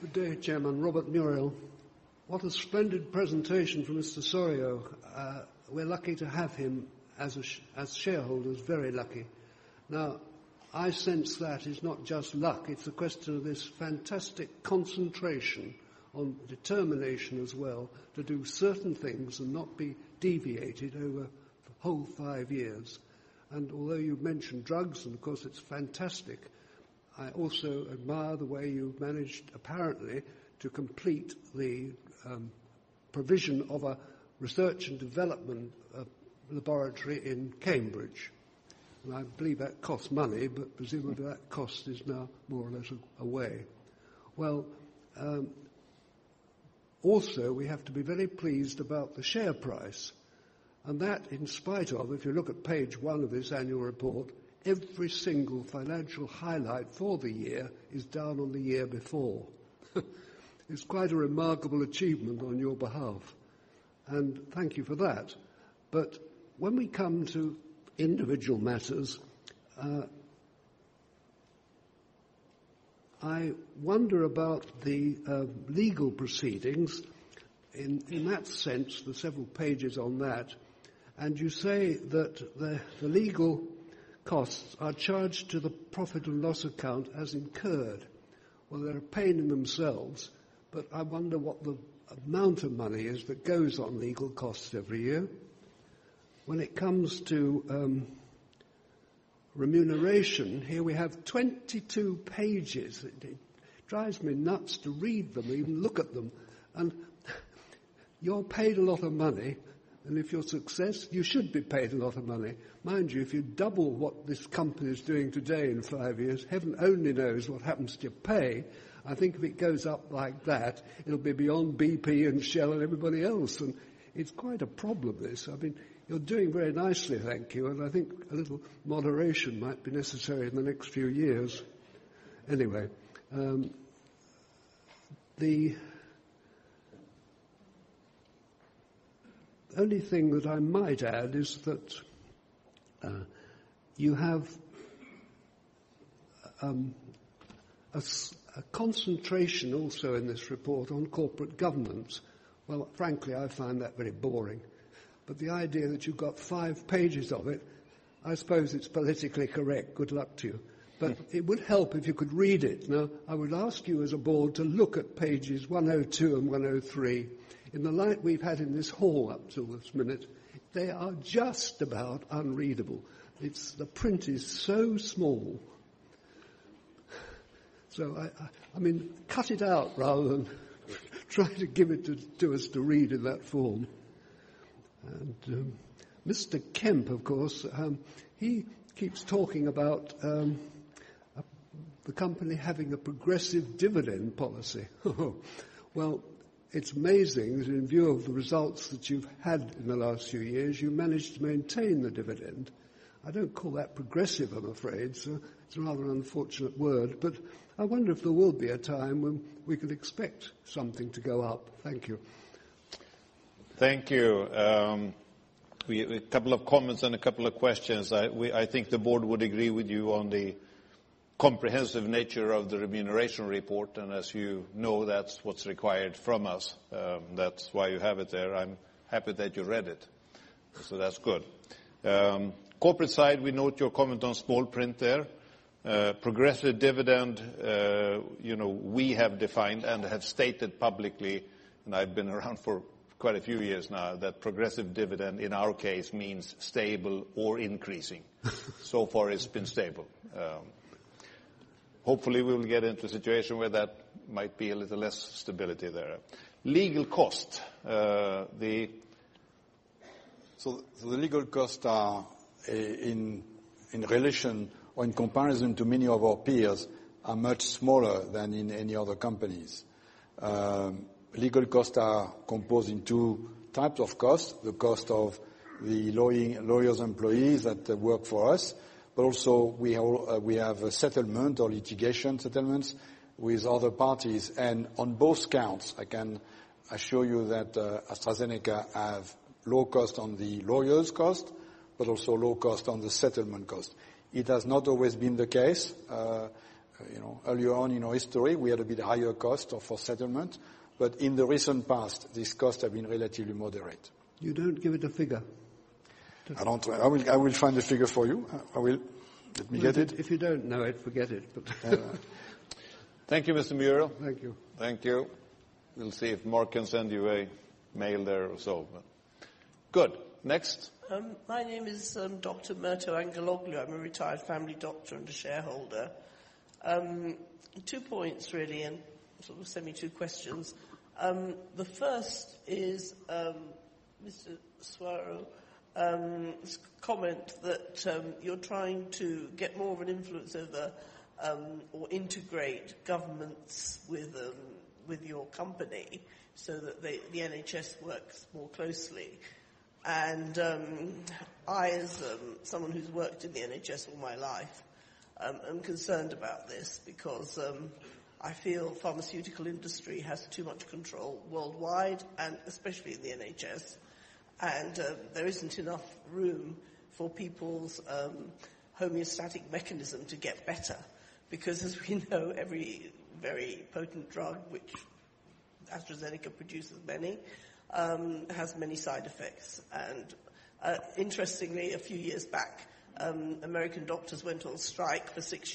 Good day, Chairman. Robert Muriel. What a splendid presentation from Mr. Soriot. We're lucky to have him as shareholders. Very lucky. I sense that it's not just luck, it's a question of this fantastic concentration on determination as well to do certain things and not be deviated over the whole five years. Although you've mentioned drugs, and of course it's fantastic, I also admire the way you've managed, apparently, to complete the provision of a research and development laboratory in Cambridge. I believe that cost money, but presumably that cost is now more or less away. Well, also, we have to be very pleased about the share price. That, in spite of, if you look at page one of this annual report, every single financial highlight for the year is down on the year before. It's quite a remarkable achievement on your behalf, and thank you for that. When we come to individual matters, I wonder about the legal proceedings, in that sense, the several pages on that. You say that the legal costs are charged to the profit and loss account as incurred. Well, they're a pain in themselves, but I wonder what the amount of money is that goes on legal costs every year. When it comes to remuneration, here we have 22 pages. It drives me nuts to read them or even look at them. You're paid a lot of money, and if you're a success, you should be paid a lot of money. Mind you, if you double what this company is doing today in five years, heaven only knows what happens to your pay. I think if it goes up like that, it'll be beyond BP and Shell and everybody else. It's quite a problem, this. You're doing very nicely, thank you, and I think a little moderation might be necessary in the next few years. Anyway. The only thing that I might add is that you have a concentration also in this report on corporate government. Frankly, I find that very boring. The idea that you've got five pages of it, I suppose it's politically correct, good luck to you. It would help if you could read it. I would ask you as a board to look at pages 102 and 103. In the light we've had in this hall up till this minute, they are just about unreadable. The print is so small. Cut it out rather than try to give it to us to read in that form. Mr. Kemp, of course, he keeps talking about the company having a progressive dividend policy. It's amazing that in view of the results that you've had in the last few years, you managed to maintain the dividend. I don't call that progressive, I'm afraid, sir. It's rather an unfortunate word. I wonder if there will be a time when we could expect something to go up. Thank you. Thank you. A couple of comments and a couple of questions. I think the board would agree with you on the comprehensive nature of the remuneration report, and as you know, that's what's required from us. That's why you have it there. I'm happy that you read it, so that's good. Corporate side, we note your comment on small print there. Progressive dividend, we have defined and have stated publicly, and I've been around for quite a few years now, that progressive dividend in our case means stable or increasing. So far, it's been stable. Hopefully, we'll get into a situation where that might be a little less stability there. Legal costs. The legal costs are in relation or in comparison to many of our peers, are much smaller than in any other companies. Legal costs are composed in two types of costs, the cost of the lawyers, employees that work for us, but also we have settlement or litigation settlements with other parties. On both counts, I can assure you that AstraZeneca have low cost on the lawyers cost, but also low cost on the settlement cost. It has not always been the case. Early on in our history, we had a bit higher cost for settlement. In the recent past, these costs have been relatively moderate. You don't give it a figure. I will find a figure for you. I will. Let me get it. If you don't know it, forget it. Thank you, Mr. Muriel. Thank you. Thank you. We'll see if Marc can send you a mail there or so. Good. Next. My name is Dr. Myrto Angeloglou. I'm a retired family doctor and a shareholder. Two points really, and sort of semi-two questions. The first is, Mr. Soriot has comment that you're trying to get more of an influence over or integrate governments with your company so that the NHS works more closely. I, as someone who's worked in the NHS all my life, am concerned about this because I feel pharmaceutical industry has too much control worldwide and especially in the NHS, and there isn't enough room for people's homeostatic mechanism to get better. Because as we know, every very potent drug, which AstraZeneca produces many, has many side effects. Interestingly, a few years back, American doctors went on strike for six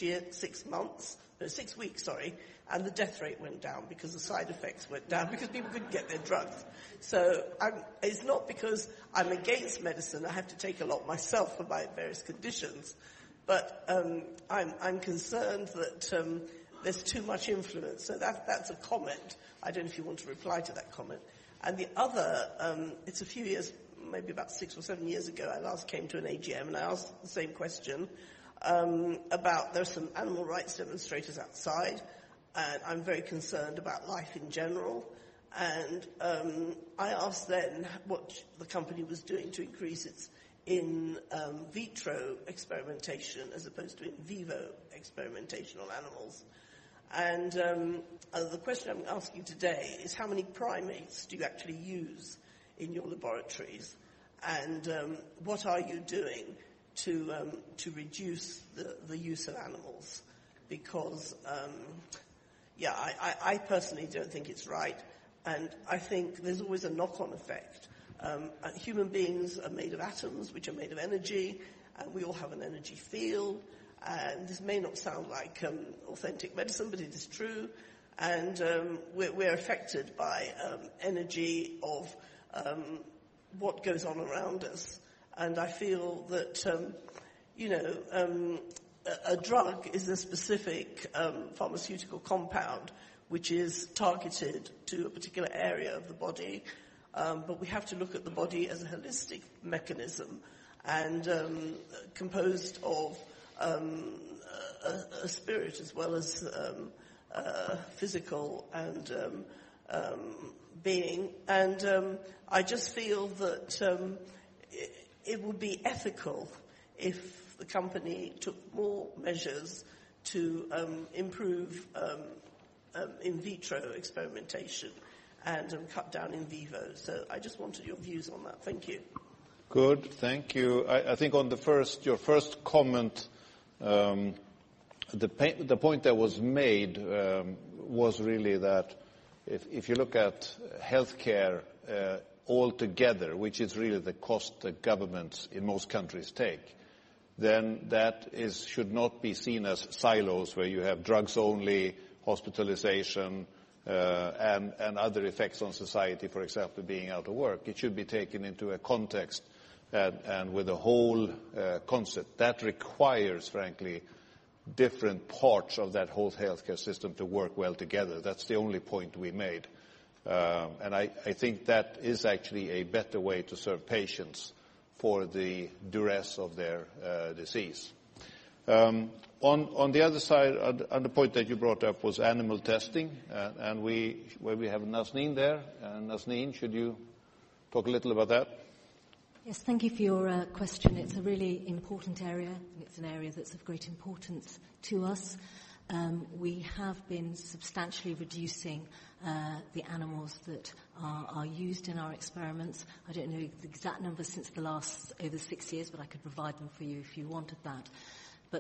weeks, and the death rate went down because the side effects went down because people couldn't get their drugs. It's not because I'm against medicine, I have to take a lot myself for my various conditions, but I'm concerned that there's too much influence. That's a comment. I don't know if you want to reply to that comment. The other, it's a few years, maybe about six or seven years ago, I last came to an AGM, and I asked the same question about there are some animal rights demonstrators outside. I'm very concerned about life in general. I asked then what the company was doing to increase its in vitro experimentation as opposed to in vivo experimentation on animals. The question I'm asking today is how many primates do you actually use in your laboratories? What are you doing to reduce the use of animals? I personally don't think it's right, and I think there's always a knock-on effect. Human beings are made of atoms, which are made of energy, and we all have an energy field. This may not sound like authentic medicine, but it is true, and we're affected by energy of what goes on around us. I feel that a drug is a specific pharmaceutical compound, which is targeted to a particular area of the body. We have to look at the body as a holistic mechanism, and composed of a spirit as well as physical and being. I just feel that it would be ethical if the company took more measures to improve in vitro experimentation and cut down in vivo. I just wanted your views on that. Thank you. Good, thank you. I think on your first comment, the point that was made was really that if you look at healthcare altogether, which is really the cost that governments in most countries take, then that should not be seen as silos where you have drugs only, hospitalization, and other effects on society, for example, being out of work. It should be taken into a context and with a whole concept. That requires, frankly, different parts of that whole healthcare system to work well together. That's the only point we made. I think that is actually a better way to serve patients for the duress of their disease. On the other side, and the point that you brought up was animal testing, and where we have Nazneen there. Nazneen, should you talk a little about that? Yes, thank you for your question. It's a really important area, and it's an area that's of great importance to us. We have been substantially reducing the animals that are used in our experiments. I don't know the exact numbers since the last over six years, but I could provide them for you if you wanted that.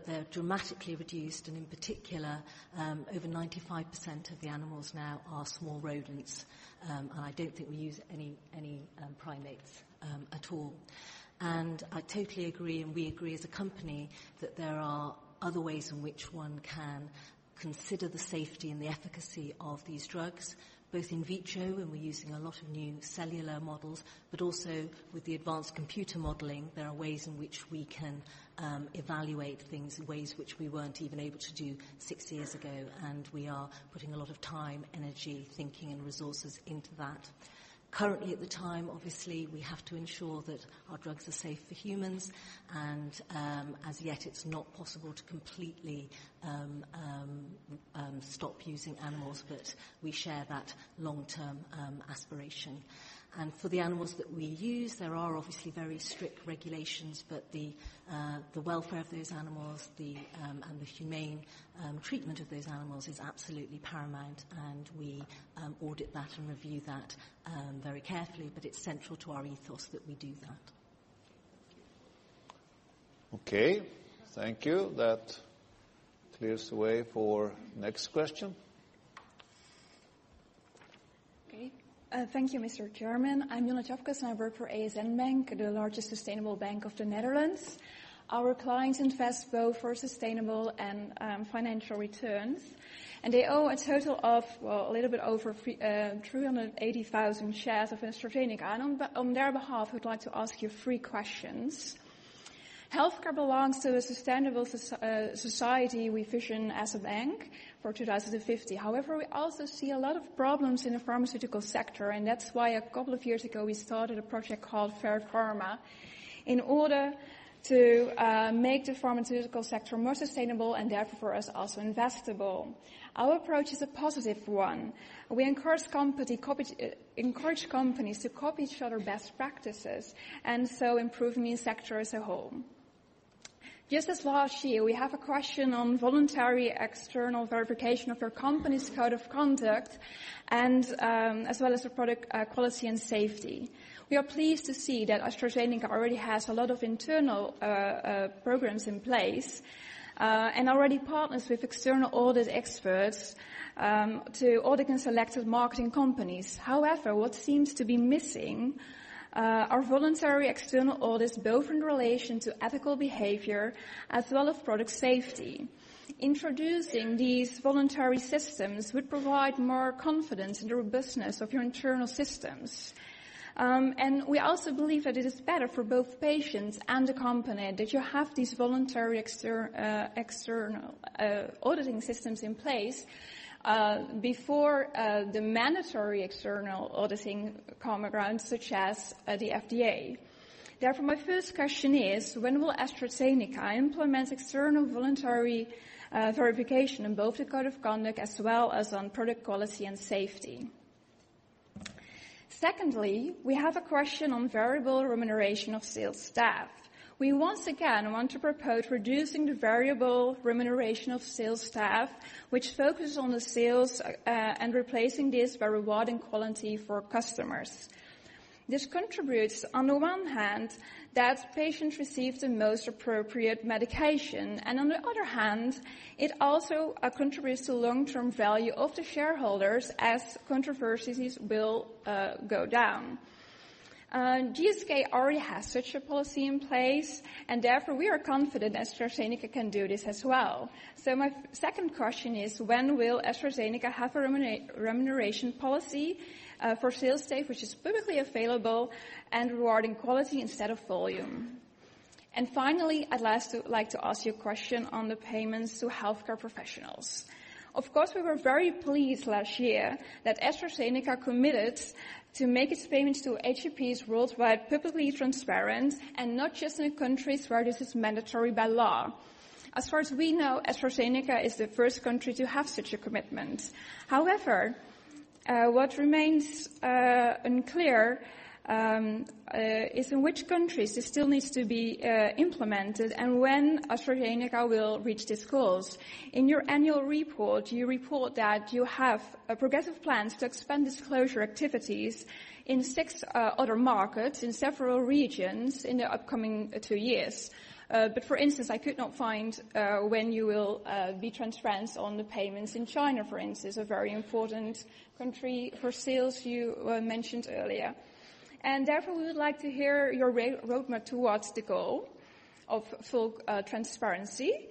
They're dramatically reduced, and in particular, over 95% of the animals now are small rodents. I don't think we use any primates at all. I totally agree, and we agree as a company that there are other ways in which one can consider the safety and the efficacy of these drugs, both in vitro, and we're using a lot of new cellular models, but also with the advanced computer modeling, there are ways in which we can evaluate things in ways which we weren't even able to do six years ago. We are putting a lot of time, energy, thinking, and resources into that. Currently, at the time, obviously, we have to ensure that our drugs are safe for humans, and as yet, it's not possible to completely stop using animals, but we share that long-term aspiration. For the animals that we use, there are obviously very strict regulations. The welfare of those animals and the humane treatment of those animals is absolutely paramount. We audit that and review that very carefully. It's central to our ethos that we do that. Okay, thank you. That clears the way for next question. Okay. Thank you, Mr. Chairman. I'm Jonna Tjapkes, and I work for ASN Bank, the largest sustainable bank of the Netherlands. Our clients invest both for sustainable and financial returns. They owe a total of, well, a little bit over 380,000 shares of AstraZeneca. On their behalf, we'd like to ask you three questions. Healthcare belongs to a sustainable society we vision as a bank for 2050. However, we also see a lot of problems in the pharmaceutical sector. That's why a couple of years ago, we started a project called Fair Pharma in order to make the pharmaceutical sector more sustainable and therefore as also investable. Our approach is a positive one. We encourage companies to copy each other best practices, improving the sector as a whole. Just this last year, we have a question on voluntary external verification of your company's code of conduct, as well as the product quality and safety. We are pleased to see that AstraZeneca already has a lot of internal programs in place. Already partners with external audit experts to audit and select its marketing companies. However, what seems to be missing are voluntary external audits, both in relation to ethical behavior as well as product safety. Introducing these voluntary systems would provide more confidence in the robustness of your internal systems. We also believe that it is better for both patients and the company that you have these voluntary external auditing systems in place before the mandatory external auditing common grounds such as the FDA. My first question is: when will AstraZeneca implement external voluntary verification in both the code of conduct as well as on product quality and safety? We have a question on variable remuneration of sales staff. We once again want to propose reducing the variable remuneration of sales staff, which focuses on the sales, and replacing this by rewarding quality for customers. This contributes, on the one hand, that patients receive the most appropriate medication, and on the other hand, it also contributes to long-term value of the shareholders as controversies will go down. GSK already has such a policy in place, therefore, we are confident AstraZeneca can do this as well. My second question is: when will AstraZeneca have a remuneration policy for sales staff which is publicly available and rewarding quality instead of volume? Finally, I'd like to ask you a question on the payments to healthcare professionals. Of course, we were very pleased last year that AstraZeneca committed to make its payments to HCPs worldwide publicly transparent, and not just in the countries where this is mandatory by law. As far as we know, AstraZeneca is the first country to have such a commitment. However, what remains unclear is in which countries this still needs to be implemented and when AstraZeneca will reach this goal. In your annual report, you report that you have progressive plans to expand disclosure activities in six other markets, in several regions in the upcoming two years. For instance, I could not find when you will be transparent on the payments in China, for instance, a very important country for sales you mentioned earlier. Therefore, we would like to hear your roadmap towards the goal of full transparency,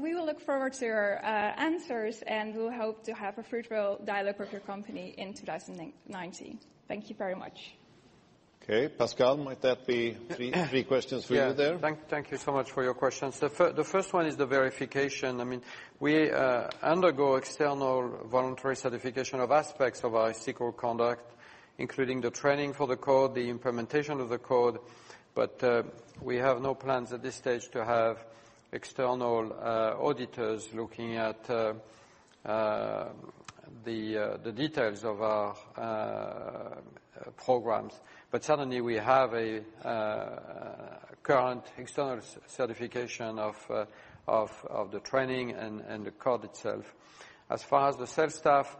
we will look forward to your answers, we hope to have a fruitful dialogue with your company in 2019. Thank you very much. Pascal, might that be three questions for you there? Yeah. Thank you so much for your questions. The first one is the verification. We undergo external voluntary certification of aspects of our ethical conduct, including the training for the code, the implementation of the code. We have no plans at this stage to have external auditors looking at the details of our programs. Certainly, we have a current external certification of the training and the code itself. As far as the sales staff,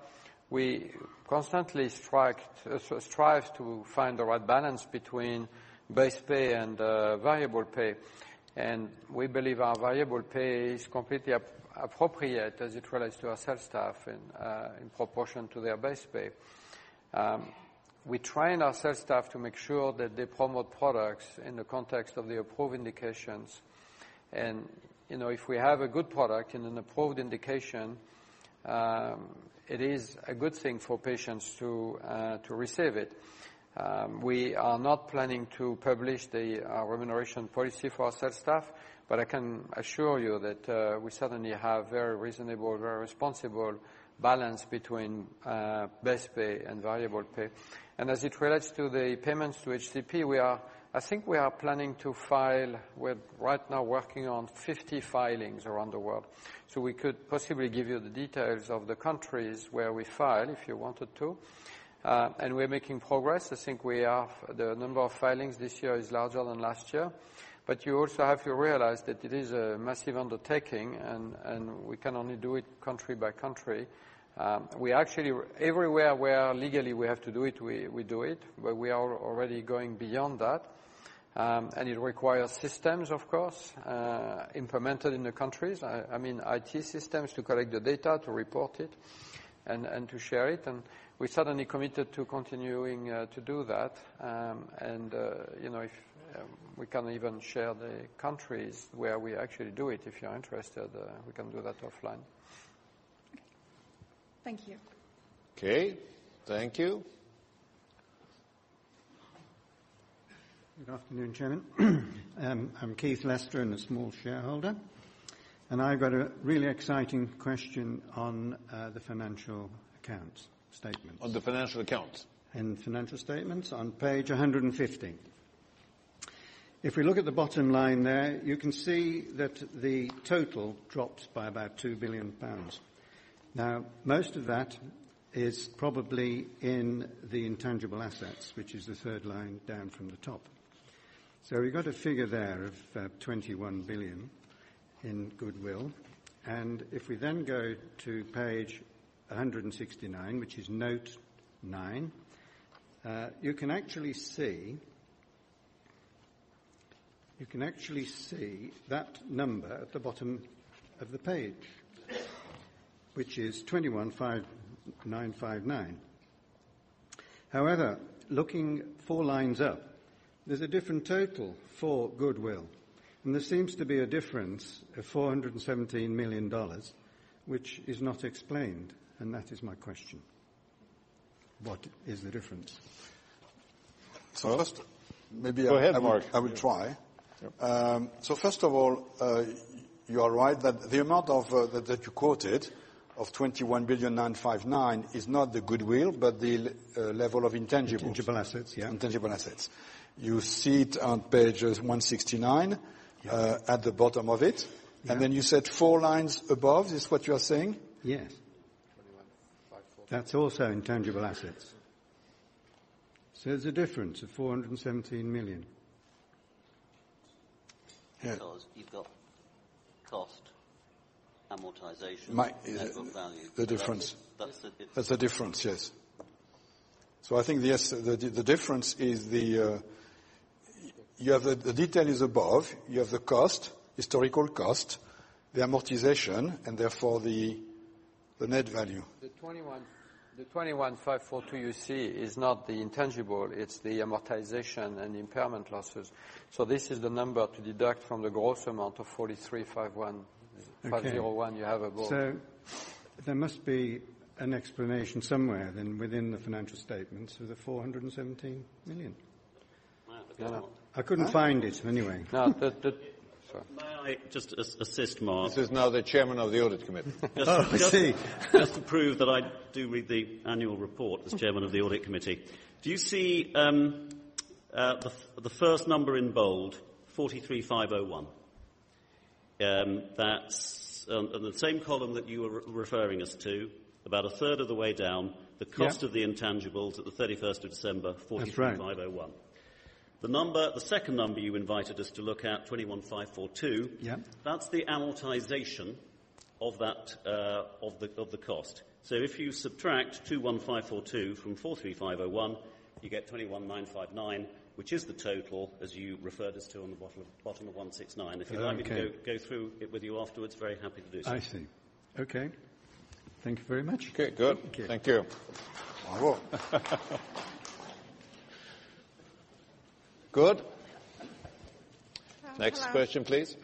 we constantly strive to find the right balance between base pay and variable pay. We believe our variable pay is completely appropriate as it relates to our sales staff in proportion to their base pay. We train our sales staff to make sure that they promote products in the context of the approved indications. If we have a good product and an approved indication, it is a good thing for patients to receive it. We are not planning to publish the remuneration policy for our sales staff, but I can assure you that we certainly have very reasonable, very responsible balance between base pay and variable pay. As it relates to the payments to HCP, we are right now working on 50 filings around the world. We could possibly give you the details of the countries where we file, if you wanted to. We are making progress. I think the number of filings this year is larger than last year. You also have to realize that it is a massive undertaking, and we can only do it country by country. Everywhere where legally we have to do it, we do it, but we are already going beyond that. It requires systems, of course, implemented in the countries. IT systems to collect the data, to report it, and to share it. We certainly committed to continuing to do that. If we can even share the countries where we actually do it, if you are interested, we can do that offline. Thank you. Okay. Thank you. Good afternoon, Chairman. I'm Keith Lester, I'm a small shareholder. I've got a really exciting question on the financial accounts statements. On the financial accounts? In financial statements on page 150. If we look at the bottom line there, you can see that the total dropped by about 2 billion pounds. Most of that is probably in the intangible assets, which is the third line down from the top. We've got a figure there of 21 billion in goodwill. If we then go to page 169, which is note nine, you can actually see that number at the bottom of the page, which is 21.959 billion. However, looking four lines up, there's a different total for goodwill, and there seems to be a difference of $417 million, which is not explained. That is my question. What is the difference? I'll start. Go ahead, Marc. I will try. Yep. First of all, you are right that the amount that you quoted of $21.959 billion is not the goodwill but the level of intangibles. Intangible assets, yeah. Intangible assets. You see it on pages 169- Yes at the bottom of it. Yeah. You said four lines above, is what you are saying? Yes. [AUDIO DISTORTION] That's also intangible assets. There's a difference of $417 million. Yeah You've got cost amortization- My- Net book value The difference. That's the difference. That's the difference, yes. I think, yes, the difference is the detail is above. You have the cost, historical cost, the amortization, and therefore the net value. The $21.542 billion you see is not the intangible, it's the amortization and impairment losses. This is the number to deduct from the gross amount of $43.501 billion you have above. Okay. There must be an explanation somewhere then within the financial statements for the $417 million. I haven't got one. I couldn't find it anyway. No. May I just assist Mark? This is now the Chairman of the Audit Committee. Oh, I see. Just to prove that I do read the annual report as Chairman of the Audit Committee. Do you see the first number in bold, $43.501 billion? That's on the same column that you were referring us to, about a third of the way down. Yeah. The cost of the intangibles at the 31st of December- That's right $43.501 billion. The second number you invited us to look at, $21.542 billion- Yeah that's the amortization of the cost. If you subtract $21.542 billion from $43.501 billion, you get $21.959 billion, which is the total, as you referred us to on the bottom of 169. Oh, okay. If you like me to go through it with you afterwards, very happy to do so. I see. Okay. Thank you very much. Okay, good. Thank you. Thank you. Bravo. Good. Next question, please.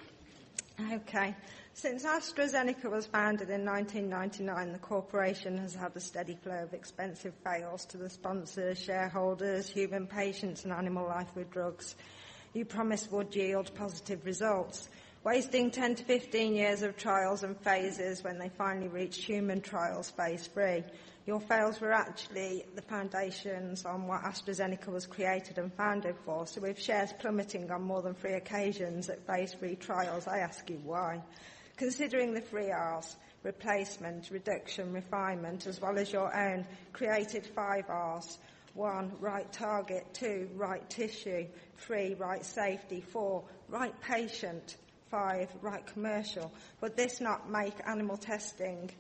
Since AstraZeneca was founded in 1999, the corporation has had a steady flow of expensive fails to the sponsors, shareholders, human patients, and animal life with drugs you promised would yield positive results. Wasting 10-15 years of trials and phases when they finally reached human trials phase III. Your fails were actually the foundations on what AstraZeneca was created and founded for. With shares plummeting on more than three occasions at phase III trials, I ask you why. Considering the Three Rs, replacement, reduction, refinement, as well as your own created Five Rs, one, right target, two, right tissue, three, right safety, four, right patient, five, right commercial. Would this not make animal testing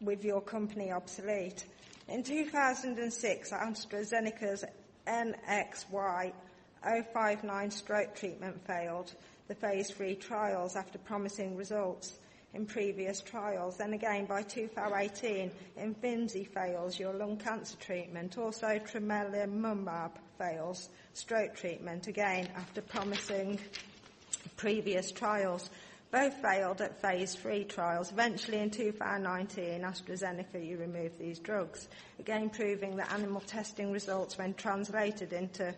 with your company obsolete? In 2006, AstraZeneca's NXY-059 stroke treatment failed the phase III trials after promising results in previous trials. Again by 2018, IMFINZI fails your lung cancer treatment. Also, tremelimumab fails stroke treatment, again after promising previous trials. Both failed at phase III trials. In 2019, AstraZeneca, you removed these drugs. Again, proving that animal testing results when translated into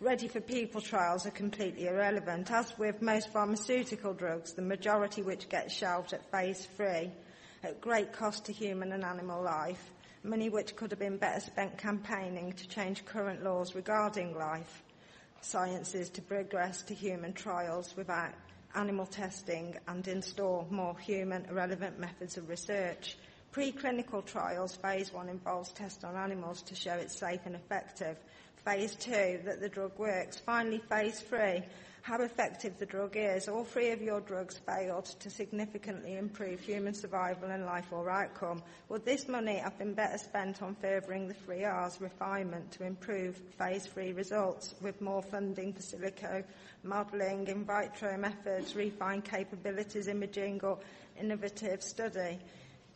ready for people trials are completely irrelevant. As with most pharmaceutical drugs, the majority which get shelved at phase III, at great cost to human and animal life, money which could've been better spent campaigning to change current laws regarding life sciences to progress to human trials without animal testing and install more human relevant methods of research. Pre-clinical trials, phase I involves tests on animals to show it's safe and effective. Phase II, that the drug works. Finally, phase III, how effective the drug is. All three of your drugs failed to significantly improve human survival and life or outcome. Would this money have been better spent on favoring the Three Rs refinement to improve phase III results with more funding for silico modeling, in vitro methods, refined capabilities, imaging or innovative study?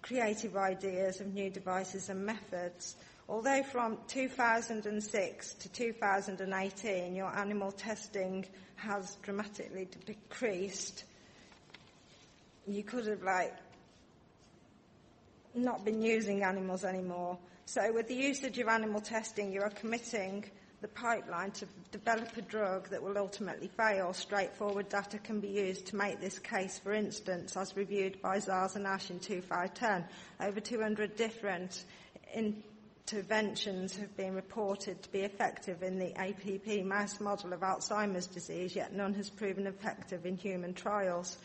Creative ideas of new devices and methods. Although from 2006 to 2018, your animal testing has dramatically decreased, you could have not been using animals anymore. With the usage of animal testing, you are committing the pipeline to develop a drug that will ultimately fail. Straightforward data can be used to make this case, for instance, as reviewed 5Rs and R in 2005-2010. Over 200 different interventions have been reported to be effective in the APP mouse model of Alzheimer's disease, yet none has proven effective in human trials.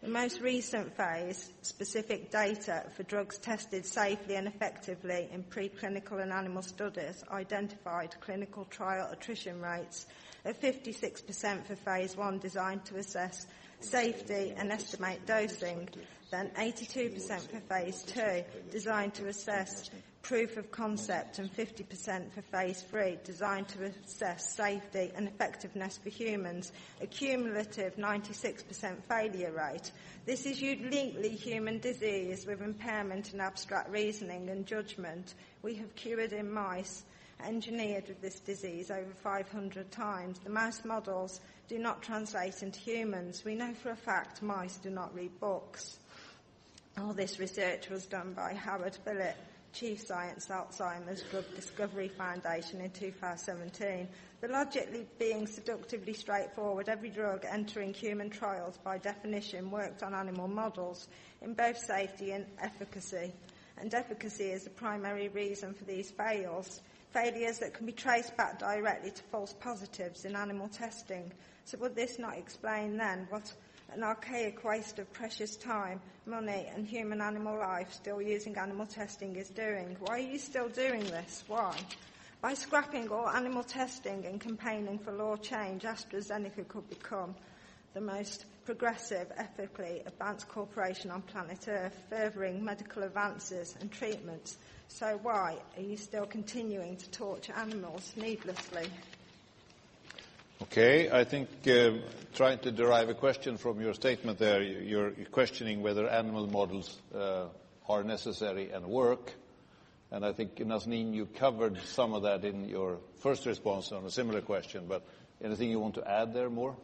The most recent phase specific data for drugs tested safely and effectively in pre-clinical and animal studies identified clinical trial attrition rates of 56% for phase I, designed to assess safety and estimate dosing. 82% for phase II, designed to assess proof of concept, and 50% for phase III, designed to assess safety and effectiveness for humans. A cumulative 96% failure rate. This is uniquely human disease with impairment in abstract reasoning and judgment we have cured in mice engineered with this disease over 500 times. The mouse models do not translate into humans. We know for a fact mice do not read books. All this research was done by Howard Fillit, Chief Science at Alzheimer's Drug Discovery Foundation in 2017. The logic being seductively straightforward, every drug entering human trials by definition worked on animal models in both safety and efficacy is the primary reason for these fails. Failures that can be traced back directly to false positives in animal testing. Would this not explain then what an archaic waste of precious time, money, and human animal life still using animal testing is doing. Why are you still doing this? Why? By scrapping all animal testing and campaigning for law change, AstraZeneca could become the most progressive, ethically advanced corporation on planet Earth, furthering medical advances and treatments. Why are you still continuing to torture animals needlessly? I think trying to derive a question from your statement there, you're questioning whether animal models are necessary and work, I think, Nazneen, you covered some of that in your first response on a similar question, anything you want to add there more?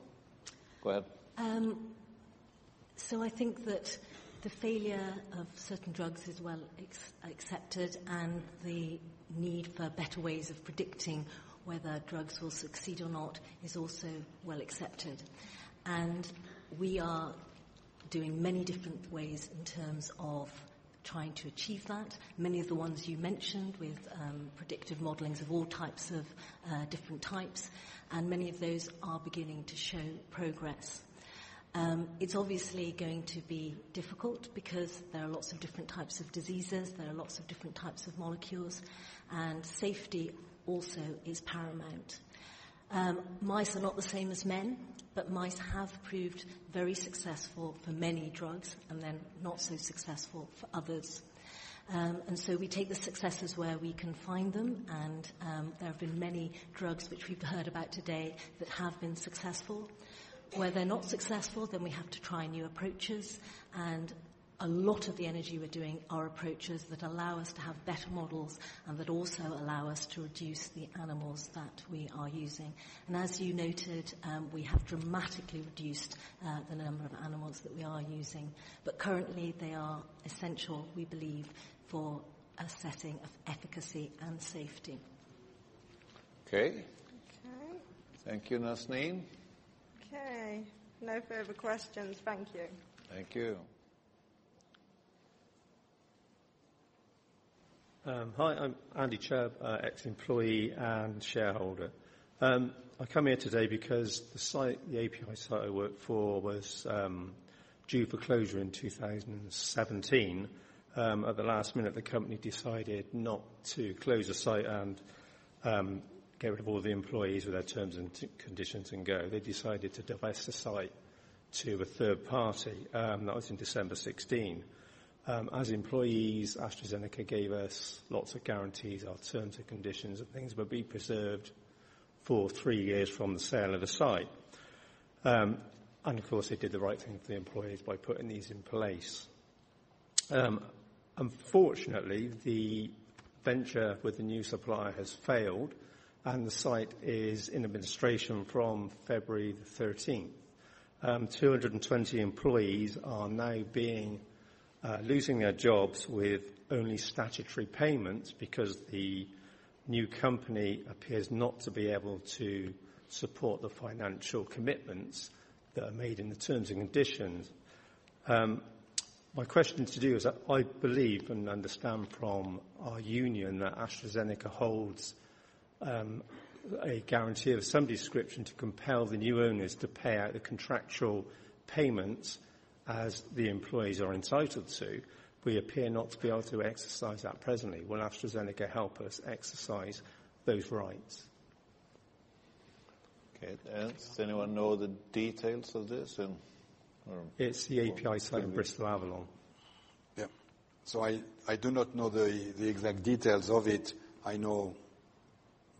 Go ahead. I think that the failure of certain drugs is well accepted and the need for better ways of predicting whether drugs will succeed or not is also well accepted. We are doing many different ways in terms of trying to achieve that. Many of the ones you mentioned with predictive modelings of all types of different types, many of those are beginning to show progress. It's obviously going to be difficult because there are lots of different types of diseases, there are lots of different types of molecules, safety also is paramount. Mice are not the same as men, mice have proved very successful for many drugs and then not so successful for others. We take the successes where we can find them, there have been many drugs which we've heard about today that have been successful. Where they're not successful, we have to try new approaches. A lot of the energy we're doing are approaches that allow us to have better models and that also allow us to reduce the animals that we are using. As you noted, we have dramatically reduced the number of animals that we are using. Currently, they are essential, we believe, for assessing of efficacy and safety. Okay. Okay. Thank you, Nazneen. Okay. No further questions. Thank you. Thank you. Hi, I'm Andy Chub, ex-employee and shareholder. I come here today because the API site I work for was due for closure in 2017. At the last minute, the company decided not to close the site and get rid of all the employees with their terms and conditions and go. They decided to divest the site to a third party. That was in December 2016. As employees, AstraZeneca gave us lots of guarantees, our terms and conditions, that things would be preserved for three years from the sale of the site. Of course, they did the right thing for the employees by putting these in place. Unfortunately, the venture with the new supplier has failed, and the site is in administration from February the 13th. 220 employees are now losing their jobs with only statutory payments because the new company appears not to be able to support the financial commitments that are made in the terms and conditions. My question to you is, I believe and understand from our union that AstraZeneca holds a guarantee of some description to compel the new owners to pay out the contractual payments as the employees are entitled to. We appear not to be able to exercise that presently. Will AstraZeneca help us exercise those rights? Okay. Does anyone know the details of this? It's the API site in Avlon Works. Yep. I do not know the exact details of it. I know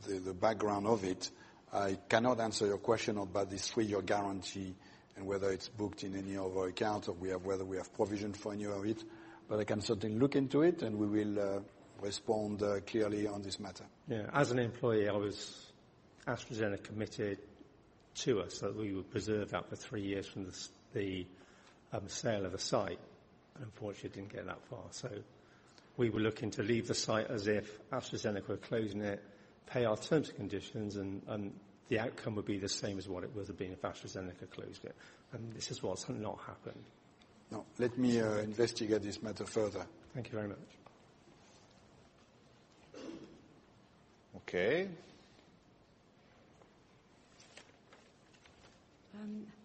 the background of it. I cannot answer your question about this three-year guarantee and whether it's booked in any of our accounts or whether we have provisioned for any of it. I can certainly look into it, and we will respond clearly on this matter. Yeah. As an employee, AstraZeneca committed to us that we would preserve that for three years from the sale of the site. Unfortunately, it didn't get that far. We were looking to leave the site as if AstraZeneca were closing it, pay our terms and conditions, and the outcome would be the same as what it would have been if AstraZeneca closed it, and this is what's not happened. No. Let me investigate this matter further. Thank you very much. Okay.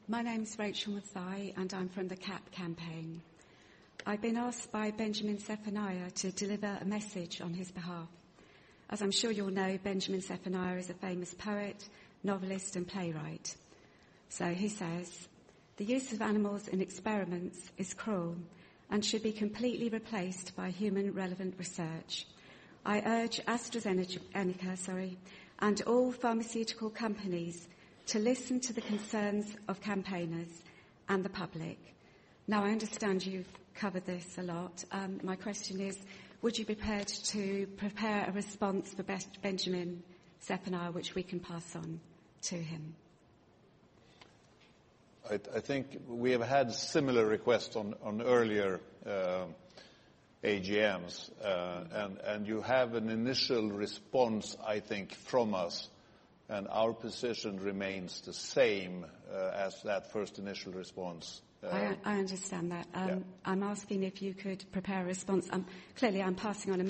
My name's Rachel Mathai, and I'm from the CAP campaign. I've been asked by Benjamin Zephaniah to deliver a message on his behalf. As I'm sure you'll know, Benjamin Zephaniah is a famous poet, novelist, and playwright. He says: The use of animals in experiments is cruel and should be completely replaced by human-relevant research. I urge AstraZeneca, sorry, and all pharmaceutical companies to listen to the concerns of campaigners and the public. I understand you've covered this a lot. My question is, would you be prepared to prepare a response for Benjamin Zephaniah, which we can pass on to him? I think we have had similar requests on earlier AGMs. You have an initial response, I think, from us, and our position remains the same as that first initial response. I understand that. Yeah. I'm asking if you could prepare a response. Clearly, I'm passing on a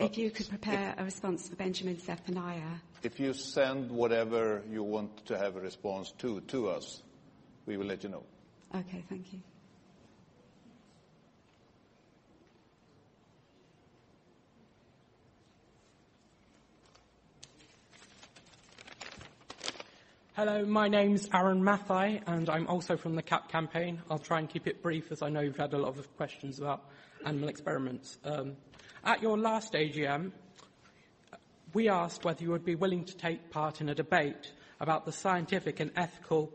message. If you could prepare a response for Benjamin Zephaniah. If you send whatever you want to have a response to to us, we will let you know. Okay. Thank you. Hello, my name's Aran Mathai, I'm also from the CAP campaign. I'll try and keep it brief, as I know you've had a lot of questions about animal experiments. At your last AGM, we asked whether you would be willing to take part in a debate about the scientific and ethical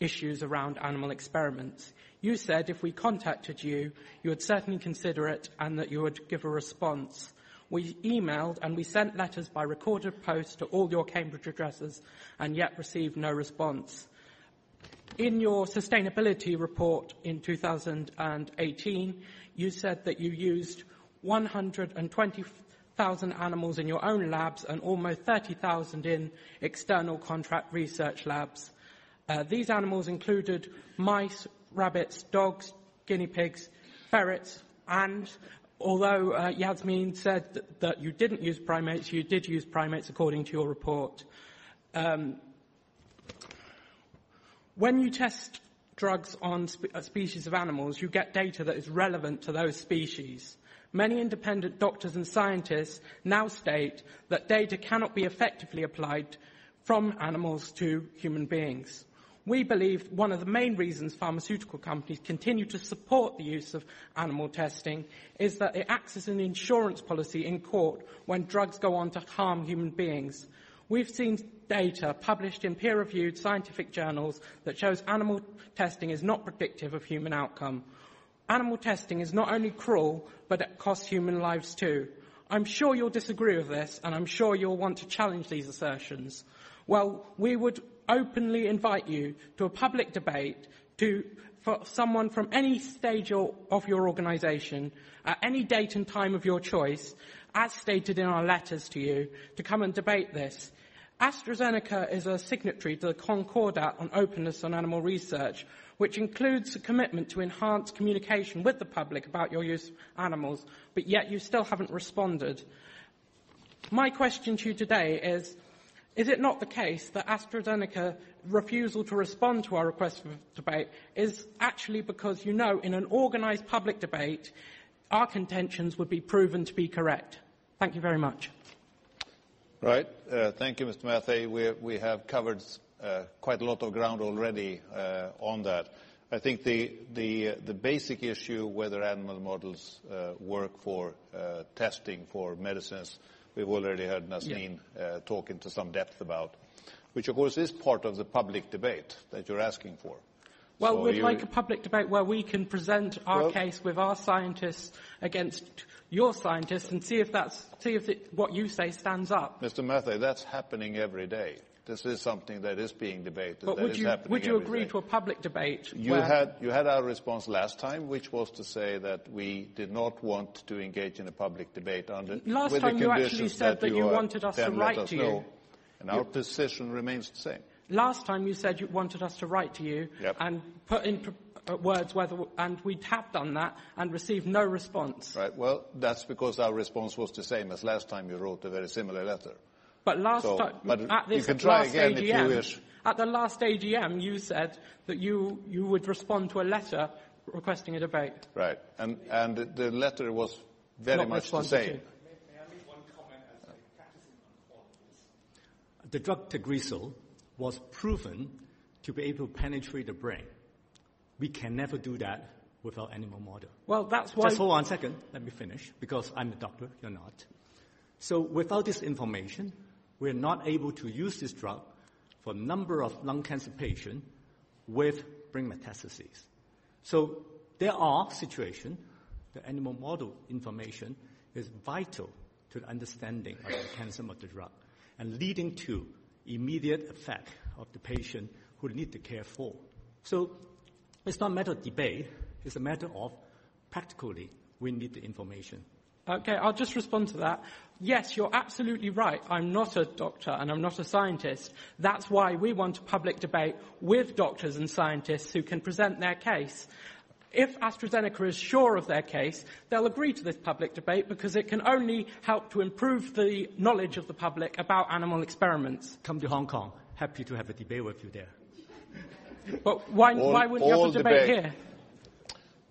issues around animal experiments. You said if we contacted you would certainly consider it and that you would give a response. We emailed, we sent letters by recorded post to all your Cambridge addresses and yet received no response. In your sustainability report in 2018, you said that you used 120,000 animals in your own labs and almost 30,000 in external contract research labs. These animals included mice, rabbits, dogs, guinea pigs, ferrets, and although Nazneen said that you didn't use primates, you did use primates according to your report. When you test drugs on a species of animals, you get data that is relevant to those species. Many independent doctors and scientists now state that data cannot be effectively applied from animals to human beings. We believe one of the main reasons pharmaceutical companies continue to support the use of animal testing is that it acts as an insurance policy in court when drugs go on to harm human beings. We've seen data published in peer-reviewed scientific journals that shows animal testing is not predictive of human outcome. Animal testing is not only cruel, it costs human lives, too. I'm sure you'll disagree with this, I'm sure you'll want to challenge these assertions. Well, we would openly invite you to a public debate for someone from any stage of your organization at any date and time of your choice, as stated in our letters to you, to come and debate this. AstraZeneca is a signatory to the Concordat on Openness on Animal Research, which includes a commitment to enhance communication with the public about your use of animals, yet you still haven't responded. My question to you today is: Is it not the case that AstraZeneca refusal to respond to our request for debate is actually because you know in an organized public debate our contentions would be proven to be correct? Thank you very much. Right. Thank you, Mr. Mathai. We have covered quite a lot of ground already on that. I think the basic issue, whether animal models work for testing for medicines, we've already heard Nazneen- Yeah talk into some depth about, which of course is part of the public debate that you're asking for. you- Well, we'd like a public debate where we can present our case- Well- with our scientists against your scientists and see if what you say stands up. Mr. Mathai, that's happening every day. This is something that is being debated, that is happening every day. Would you agree to a public debate? You had our response last time, which was to say that we did not want to engage in a public debate. Last time you actually said that you wanted us to write to you. with the condition that you then let us know. Our position remains the same. Last time you said you wanted us to write to you. Yep put into words whether we have done that and received no response. Right. Well, that's because our response was the same as last time you wrote a very similar letter. Last time. You can try again if you wish. At the last AGM, you said that you would respond to a letter requesting a debate. Right. The letter was very much the same. Not responding to. May I make one comment as a practicing oncologist? The drug TAGRISSO was proven to be able to penetrate the brain. We can never do that without animal model. Well, that's why. Just hold on one second. Let me finish, because I'm a doctor, you're not. Without this information, we're not able to use this drug for a number of lung cancer patient with brain metastases. There are situation the animal model information is vital to the understanding of the cancer of the drug and leading to immediate effect of the patient who need the care for. It's not matter of debate, it's a matter of practically we need the information. Okay, I'll just respond to that. Yes, you're absolutely right. I'm not a doctor, and I'm not a scientist. That's why we want a public debate with doctors and scientists who can present their case. If AstraZeneca is sure of their case, they'll agree to this public debate because it can only help to improve the knowledge of the public about animal experiments. Come to Hong Kong. Happy to have a debate with you there. Why wouldn't you have a debate here?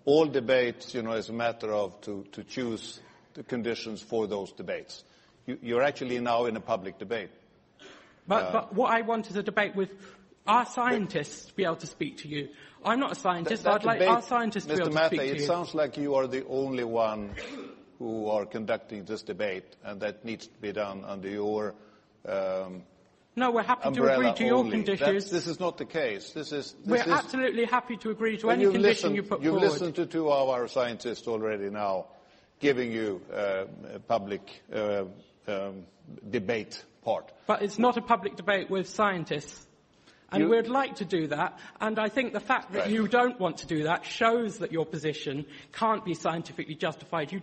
All debate, you know, is a matter of to choose the conditions for those debates. You're actually now in a public debate. What I want is a debate with our scientists to be able to speak to you. I'm not a scientist. That debate. I'd like our scientists to be able to speak to you. Mr. Mathai, it sounds like you are the only one who are conducting this debate, and that needs to be done under your. No, we're happy to agree to your conditions umbrella only. This is not the case. We're absolutely happy to agree to any condition you put forward. You've listened to two of our scientists already now giving you public debate part. It's not a public debate with scientists. You- We'd like to do that. Right You don't want to do that shows that your position can't be scientifically justified. That's a-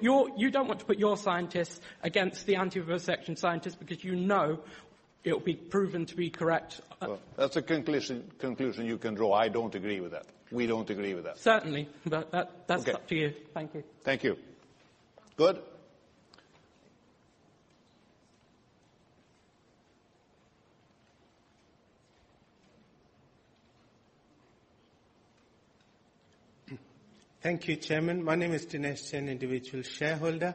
You don't want to put your scientists against the anti-vivisection scientists because you know it'll be proven to be correct. Well, that's a conclusion you can draw. I don't agree with that. We don't agree with that. Certainly. Okay That's up to you. Thank you. Thank you. Good. Thank you, Chairman. My name is Dinesh Jain, individual shareholder.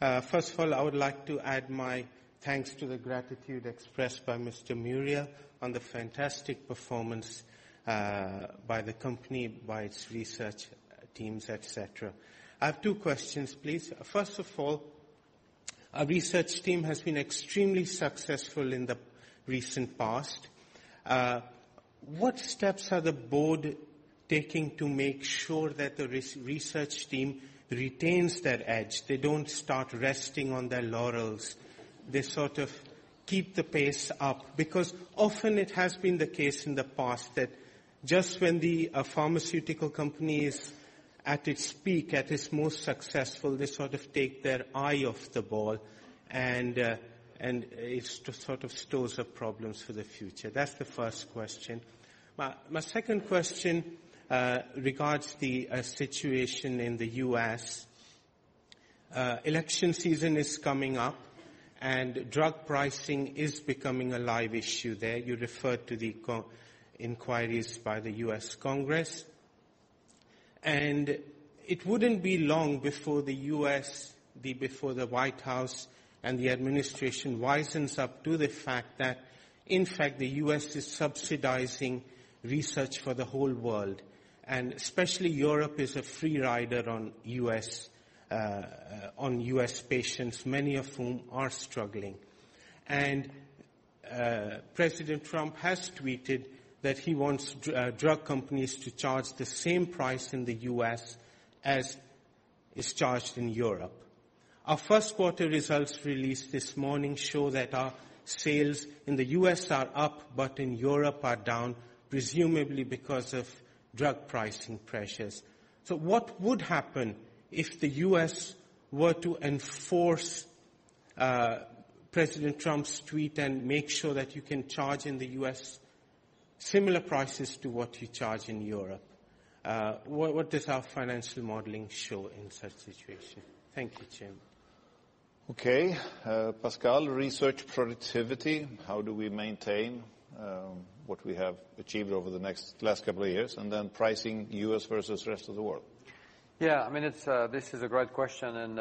First of all, I would like to add my thanks to the gratitude expressed by Mr. Muriel on the fantastic performance by the company, by its research teams, et cetera. I have two questions, please. First of all, our research team has been extremely successful in the recent past. What steps are the board taking to make sure that the research team retains their edge, they don't start resting on their laurels, they sort of keep the pace up? Often it has been the case in the past that just when the pharmaceutical company is at its peak, at its most successful, they sort of take their eye off the ball, and it sort of stores up problems for the future. That's the first question. My second question regards the situation in the U.S. Election season is coming up, drug pricing is becoming a live issue there. You referred to the inquiries by the U.S. Congress. It wouldn't be long before the U.S., before the White House, and the administration wisens up to the fact that, in fact, the U.S. is subsidizing research for the whole world. Especially Europe is a free rider on U.S. patients, many of whom are struggling. President Trump has tweeted that he wants drug companies to charge the same price in the U.S. as is charged in Europe. Our first quarter results released this morning show that our sales in the U.S. are up, but in Europe are down, presumably because of drug pricing pressures. What would happen if the U.S. were to enforce President Trump's tweet and make sure that you can charge in the U.S. similar prices to what you charge in Europe? What does our financial modeling show in such situation? Thank you, Chairman. Okay. Pascal, research productivity, how do we maintain what we have achieved over the next last couple of years, and then pricing U.S. versus rest of the world? Yeah. This is a great question, and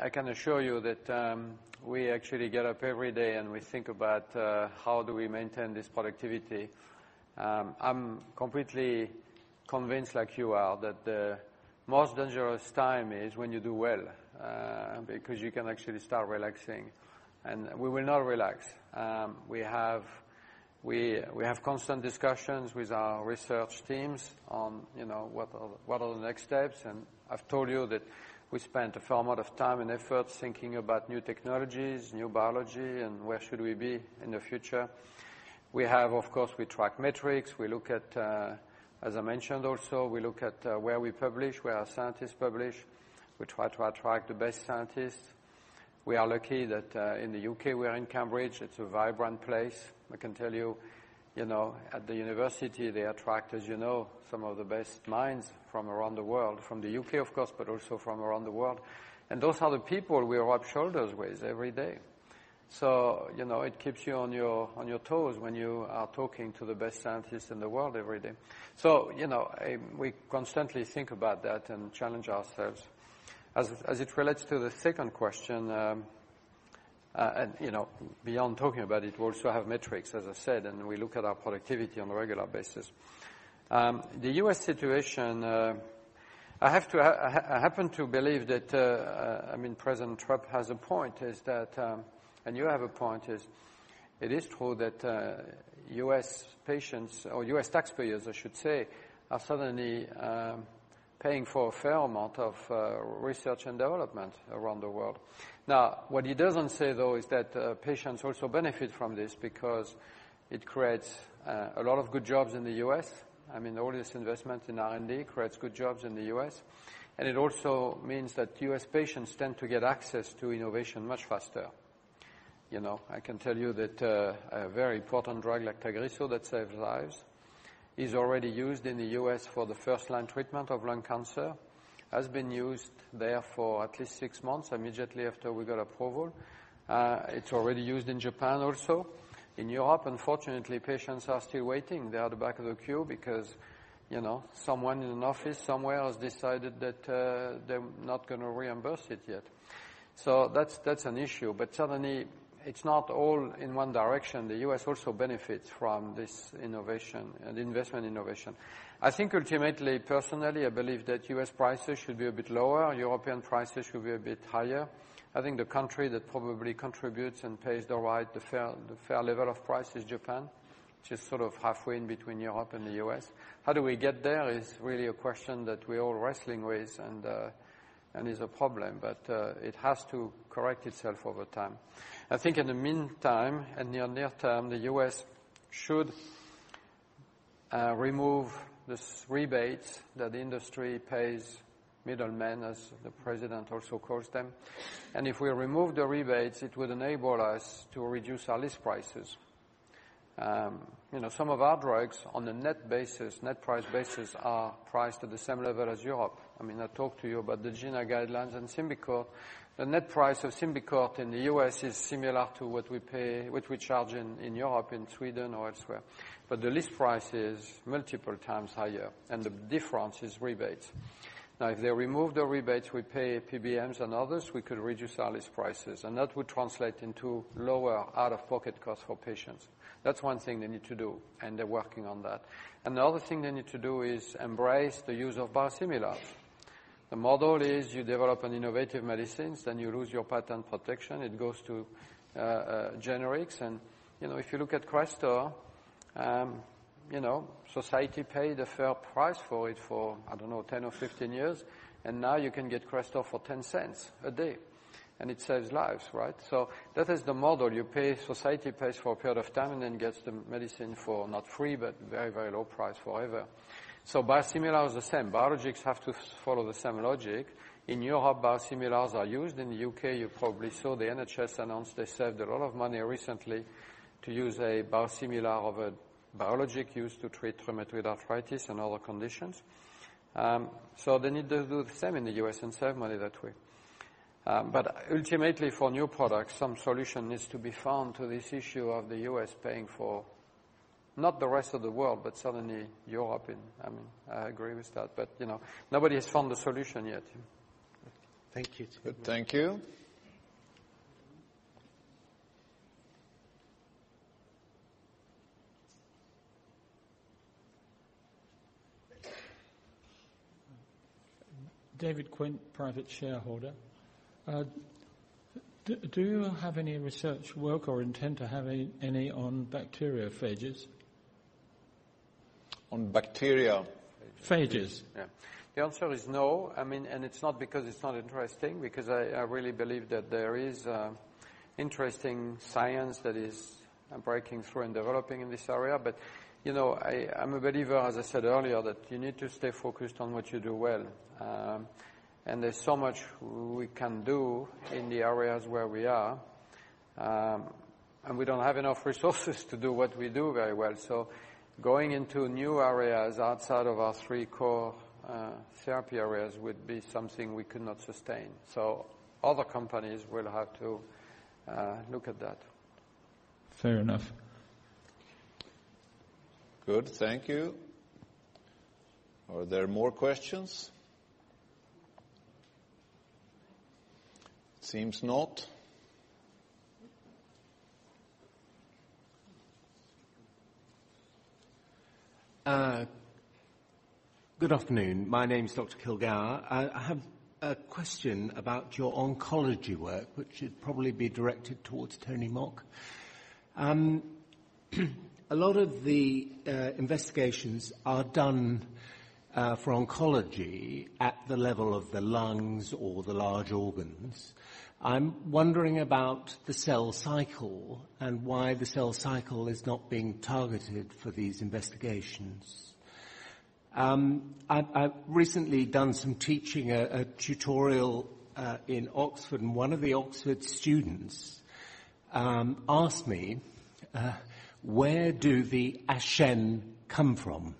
I can assure you that we actually get up every day, and we think about how do we maintain this productivity. I'm completely convinced, like you are, that the most dangerous time is when you do well, because you can actually start relaxing. We will not relax. We have constant discussions with our research teams on what are the next steps, and I've told you that we spent a fair amount of time and effort thinking about new technologies, new biology, and where should we be in the future. Of course, we track metrics. As I mentioned also, we look at where we publish, where our scientists publish. We try to attract the best scientists. We are lucky that in the U.K., we are in Cambridge. It's a vibrant place. I can tell you at the university, they attract, as you know, some of the best minds from around the world, from the U.K., of course, but also from around the world. Those are the people we rub shoulders with every day. It keeps you on your toes when you are talking to the best scientists in the world every day. We constantly think about that and challenge ourselves. As it relates to the second question, and beyond talking about it, we also have metrics, as I said, and we look at our productivity on a regular basis. The U.S. situation, I happen to believe that President Trump has a point, is that, and you have a point, is it is true that U.S. patients or U.S. taxpayers, I should say, are suddenly paying for a fair amount of research and development around the world. Now, what he doesn't say, though, is that patients also benefit from this because it creates a lot of good jobs in the U.S. All this investment in R&D creates good jobs in the U.S. It also means that U.S. patients tend to get access to innovation much faster. I can tell you that a very important drug like TAGRISSO that saves lives is already used in the U.S. for the first-line treatment of lung cancer, has been used there for at least six months, immediately after we got approval. It's already used in Japan also. In Europe, unfortunately, patients are still waiting. They are at the back of the queue because someone in an office somewhere has decided that they're not going to reimburse it yet. That's an issue. Suddenly, it's not all in one direction. The U.S. also benefits from this innovation and investment innovation. I think ultimately, personally, I believe that U.S. prices should be a bit lower, European prices should be a bit higher. I think the country that probably contributes and pays the right, the fair level of price is Japan, which is sort of halfway in between Europe and the U.S. How do we get there is really a question that we're all wrestling with and is a problem, but it has to correct itself over time. I think in the meantime and the near term, the U.S. should remove this rebate that the industry pays middlemen, as the president also calls them. If we remove the rebates, it would enable us to reduce our list prices. Some of our drugs on a net price basis are priced at the same level as Europe. I talked to you about the GINA guidelines and SYMBICORT. The net price of SYMBICORT in the U.S. is similar to what we charge in Europe, in Sweden or elsewhere. The list price is multiple times higher, and the difference is rebates. If they remove the rebates we pay PBMs and others, we could reduce our list prices, and that would translate into lower out-of-pocket costs for patients. That's one thing they need to do, and they're working on that. Another thing they need to do is embrace the use of biosimilars. The model is you develop an innovative medicine, then you lose your patent protection, it goes to generics. If you look at CRESTOR, society paid a fair price for it for, I don't know, 10 or 15 years, and now you can get CRESTOR for $0.10 a day, and it saves lives, right? That is the model. Society pays for a period of time and then gets the medicine for, not free, but very low price forever. Biosimilars the same. Biologics have to follow the same logic. In Europe, biosimilars are used. In the U.K., you probably saw the NHS announced they saved a lot of money recently to use a biosimilar of a biologic used to treat rheumatoid arthritis and other conditions. They need to do the same in the U.S. and save money that way. Ultimately for new products, some solution needs to be found to this issue of the U.S. paying for, not the rest of the world, but certainly Europe. I agree with that, but nobody has found a solution yet. Thank you. Thank you. David Quint, private shareholder. Do you have any research work or intend to have any on bacteriophages? On bacteria- Phages. Yeah. The answer is no. It's not because it's not interesting, because I really believe that there is interesting science that is breaking through and developing in this area. I'm a believer, as I said earlier, that you need to stay focused on what you do well. There's so much we can do in the areas where we are. We don't have enough resources to do what we do very well. Going into new areas outside of our three core therapy areas would be something we could not sustain. Other companies will have to look at that. Fair enough. Good. Thank you. Are there more questions? Seems not. Good afternoon. My name's Dr. Kilgour. I have a question about your oncology work, which should probably be directed towards Tony Mok. A lot of the investigations are done for oncology at the level of the lungs or the large organs. I'm wondering about the cell cycle and why the cell cycle is not being targeted for these investigations. I've recently done some teaching, a tutorial in Oxford, and one of the Oxford students asked me, "Where do the [Asians] come from?"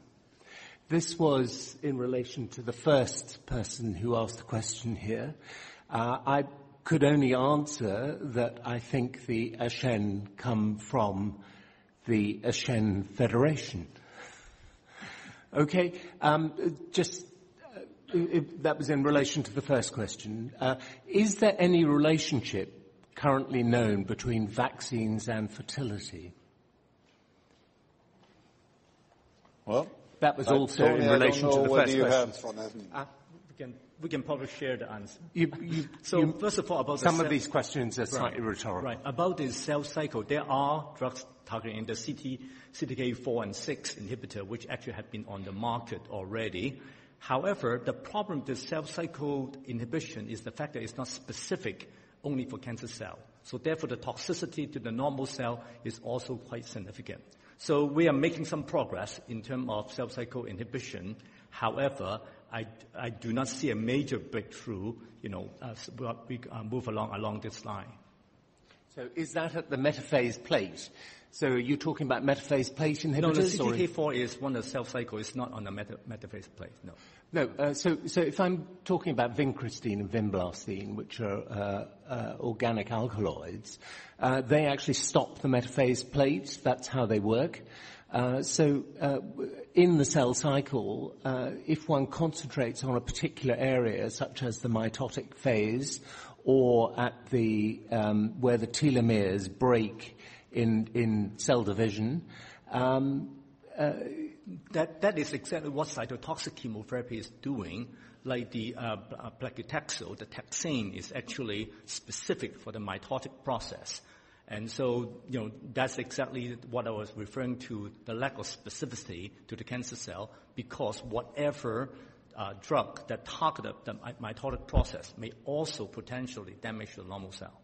This was in relation to the first person who asked a question here. I could only answer that I think the [Asians] come from the [Aschen Federation]. That was in relation to the first question. Is there any relationship currently known between vaccines and fertility? Well- That was also in relation to the first question Tony, I don't know whether you have one. We can probably share the answer. You- First of all, about the cell- Some of these questions are slightly rhetorical. Right. About the cell cycle, there are drugs targeting the CDK4 and 6 inhibitor, which actually have been on the market already. However, the problem with the cell cycle inhibition is the fact that it's not specific only for cancer cell. Therefore, the toxicity to the normal cell is also quite significant. We are making some progress in term of cell cycle inhibition. However, I do not see a major breakthrough as we move along this line. Is that at the metaphase plate? Are you talking about metaphase plate inhibitors? No, the CDK4 is one of the cell cycle. It's not on the metaphase plate, no. No. If I'm talking about vincristine and vinblastine, which are organic alkaloids, they actually stop the metaphase plate. That's how they work. In the cell cycle, if one concentrates on a particular area, such as the mitotic phase or where the telomeres break in cell division. That is exactly what cytotoxic chemotherapy is doing, like the paclitaxel, the taxane is actually specific for the mitotic process. That's exactly what I was referring to, the lack of specificity to the cancer cell, because whatever drug that target the mitotic process may also potentially damage the normal cell.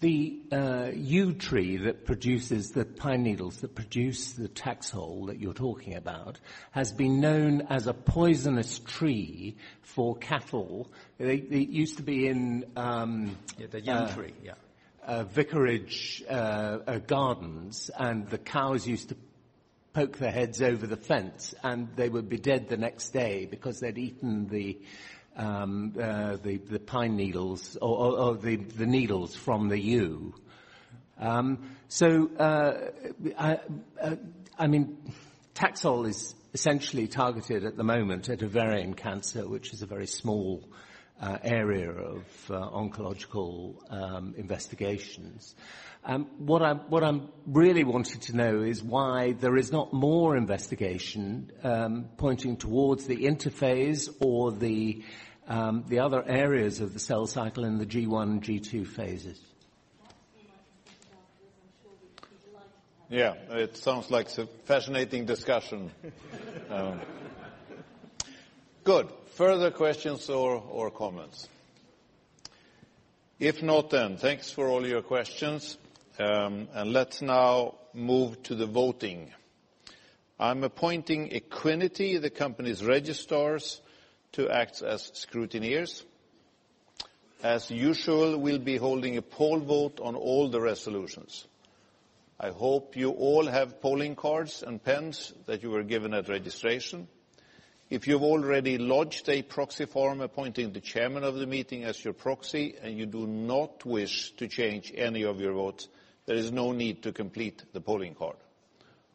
The yew tree that produces the pine needles that produce the TAXOL that you're talking about has been known as a poisonous tree for cattle. It used to be Yeah, the yew tree. Yeah vicarage gardens, and the cows used to poke their heads over the fence, and they would be dead the next day because they'd eaten the pine needles or the needles from the yew. TAXOL is essentially targeted at the moment at ovarian cancer, which is a very small area of oncological investigations. What I'm really wanting to know is why there is not more investigation pointing towards the interphase or the other areas of the cell cycle in the G1 and G2 phases. [AUDIO DISTORTION] Yeah. It sounds like it's a fascinating discussion. Good. Further questions or comments? If not, thanks for all your questions. Let's now move to the voting. I'm appointing Equiniti, the company's registrars, to act as scrutineers. As usual, we'll be holding a poll vote on all the resolutions. I hope you all have polling cards and pens that you were given at registration. If you've already lodged a proxy form appointing the chairman of the meeting as your proxy and you do not wish to change any of your votes, there is no need to complete the polling card.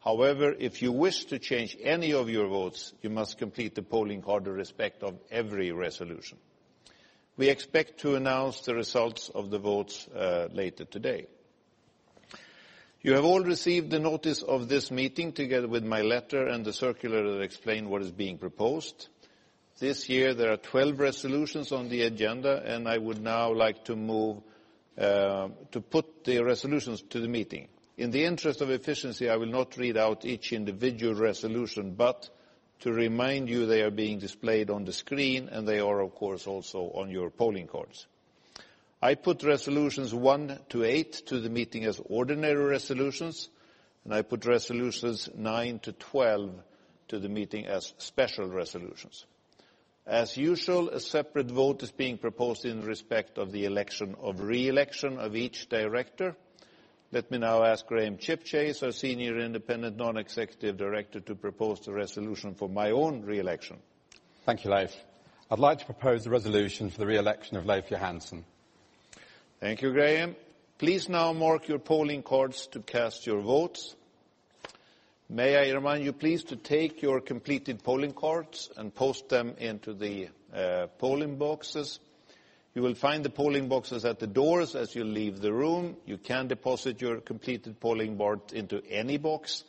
However, if you wish to change any of your votes, you must complete the polling card in respect of every resolution. We expect to announce the results of the votes later today. You have all received a notice of this meeting together with my letter and the circular that explain what is being proposed. This year, there are 12 resolutions on the agenda. I would now like to put the resolutions to the meeting. In the interest of efficiency, I will not read out each individual resolution. To remind you, they are being displayed on the screen. They are, of course, also on your polling cards. I put resolutions one to eight to the meeting as ordinary resolutions. I put resolutions 9-12 to the meeting as special resolutions. As usual, a separate vote is being proposed in respect of the election of re-election of each director. Let me now ask Graham Chipchase, our Senior Independent Non-Executive Director, to propose the resolution for my own re-election. Thank you, Leif. I'd like to propose a resolution for the re-election of Leif Johansson. Thank you, Graham. Please now mark your polling cards to cast your votes. May I remind you please to take your completed polling cards and post them into the polling boxes. You will find the polling boxes at the doors as you leave the room. You can deposit your completed polling card into any box.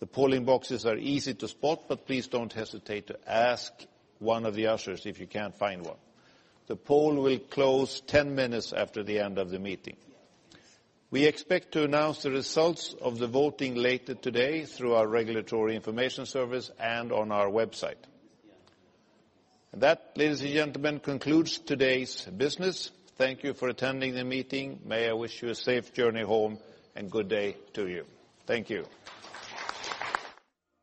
The polling boxes are easy to spot, but please don't hesitate to ask one of the ushers if you can't find one. The poll will close 10 minutes after the end of the meeting. We expect to announce the results of the voting later today through our regulatory information service and on our website. That, ladies and gentlemen, concludes today's business. Thank you for attending the meeting. May I wish you a safe journey home, and good day to you. Thank you.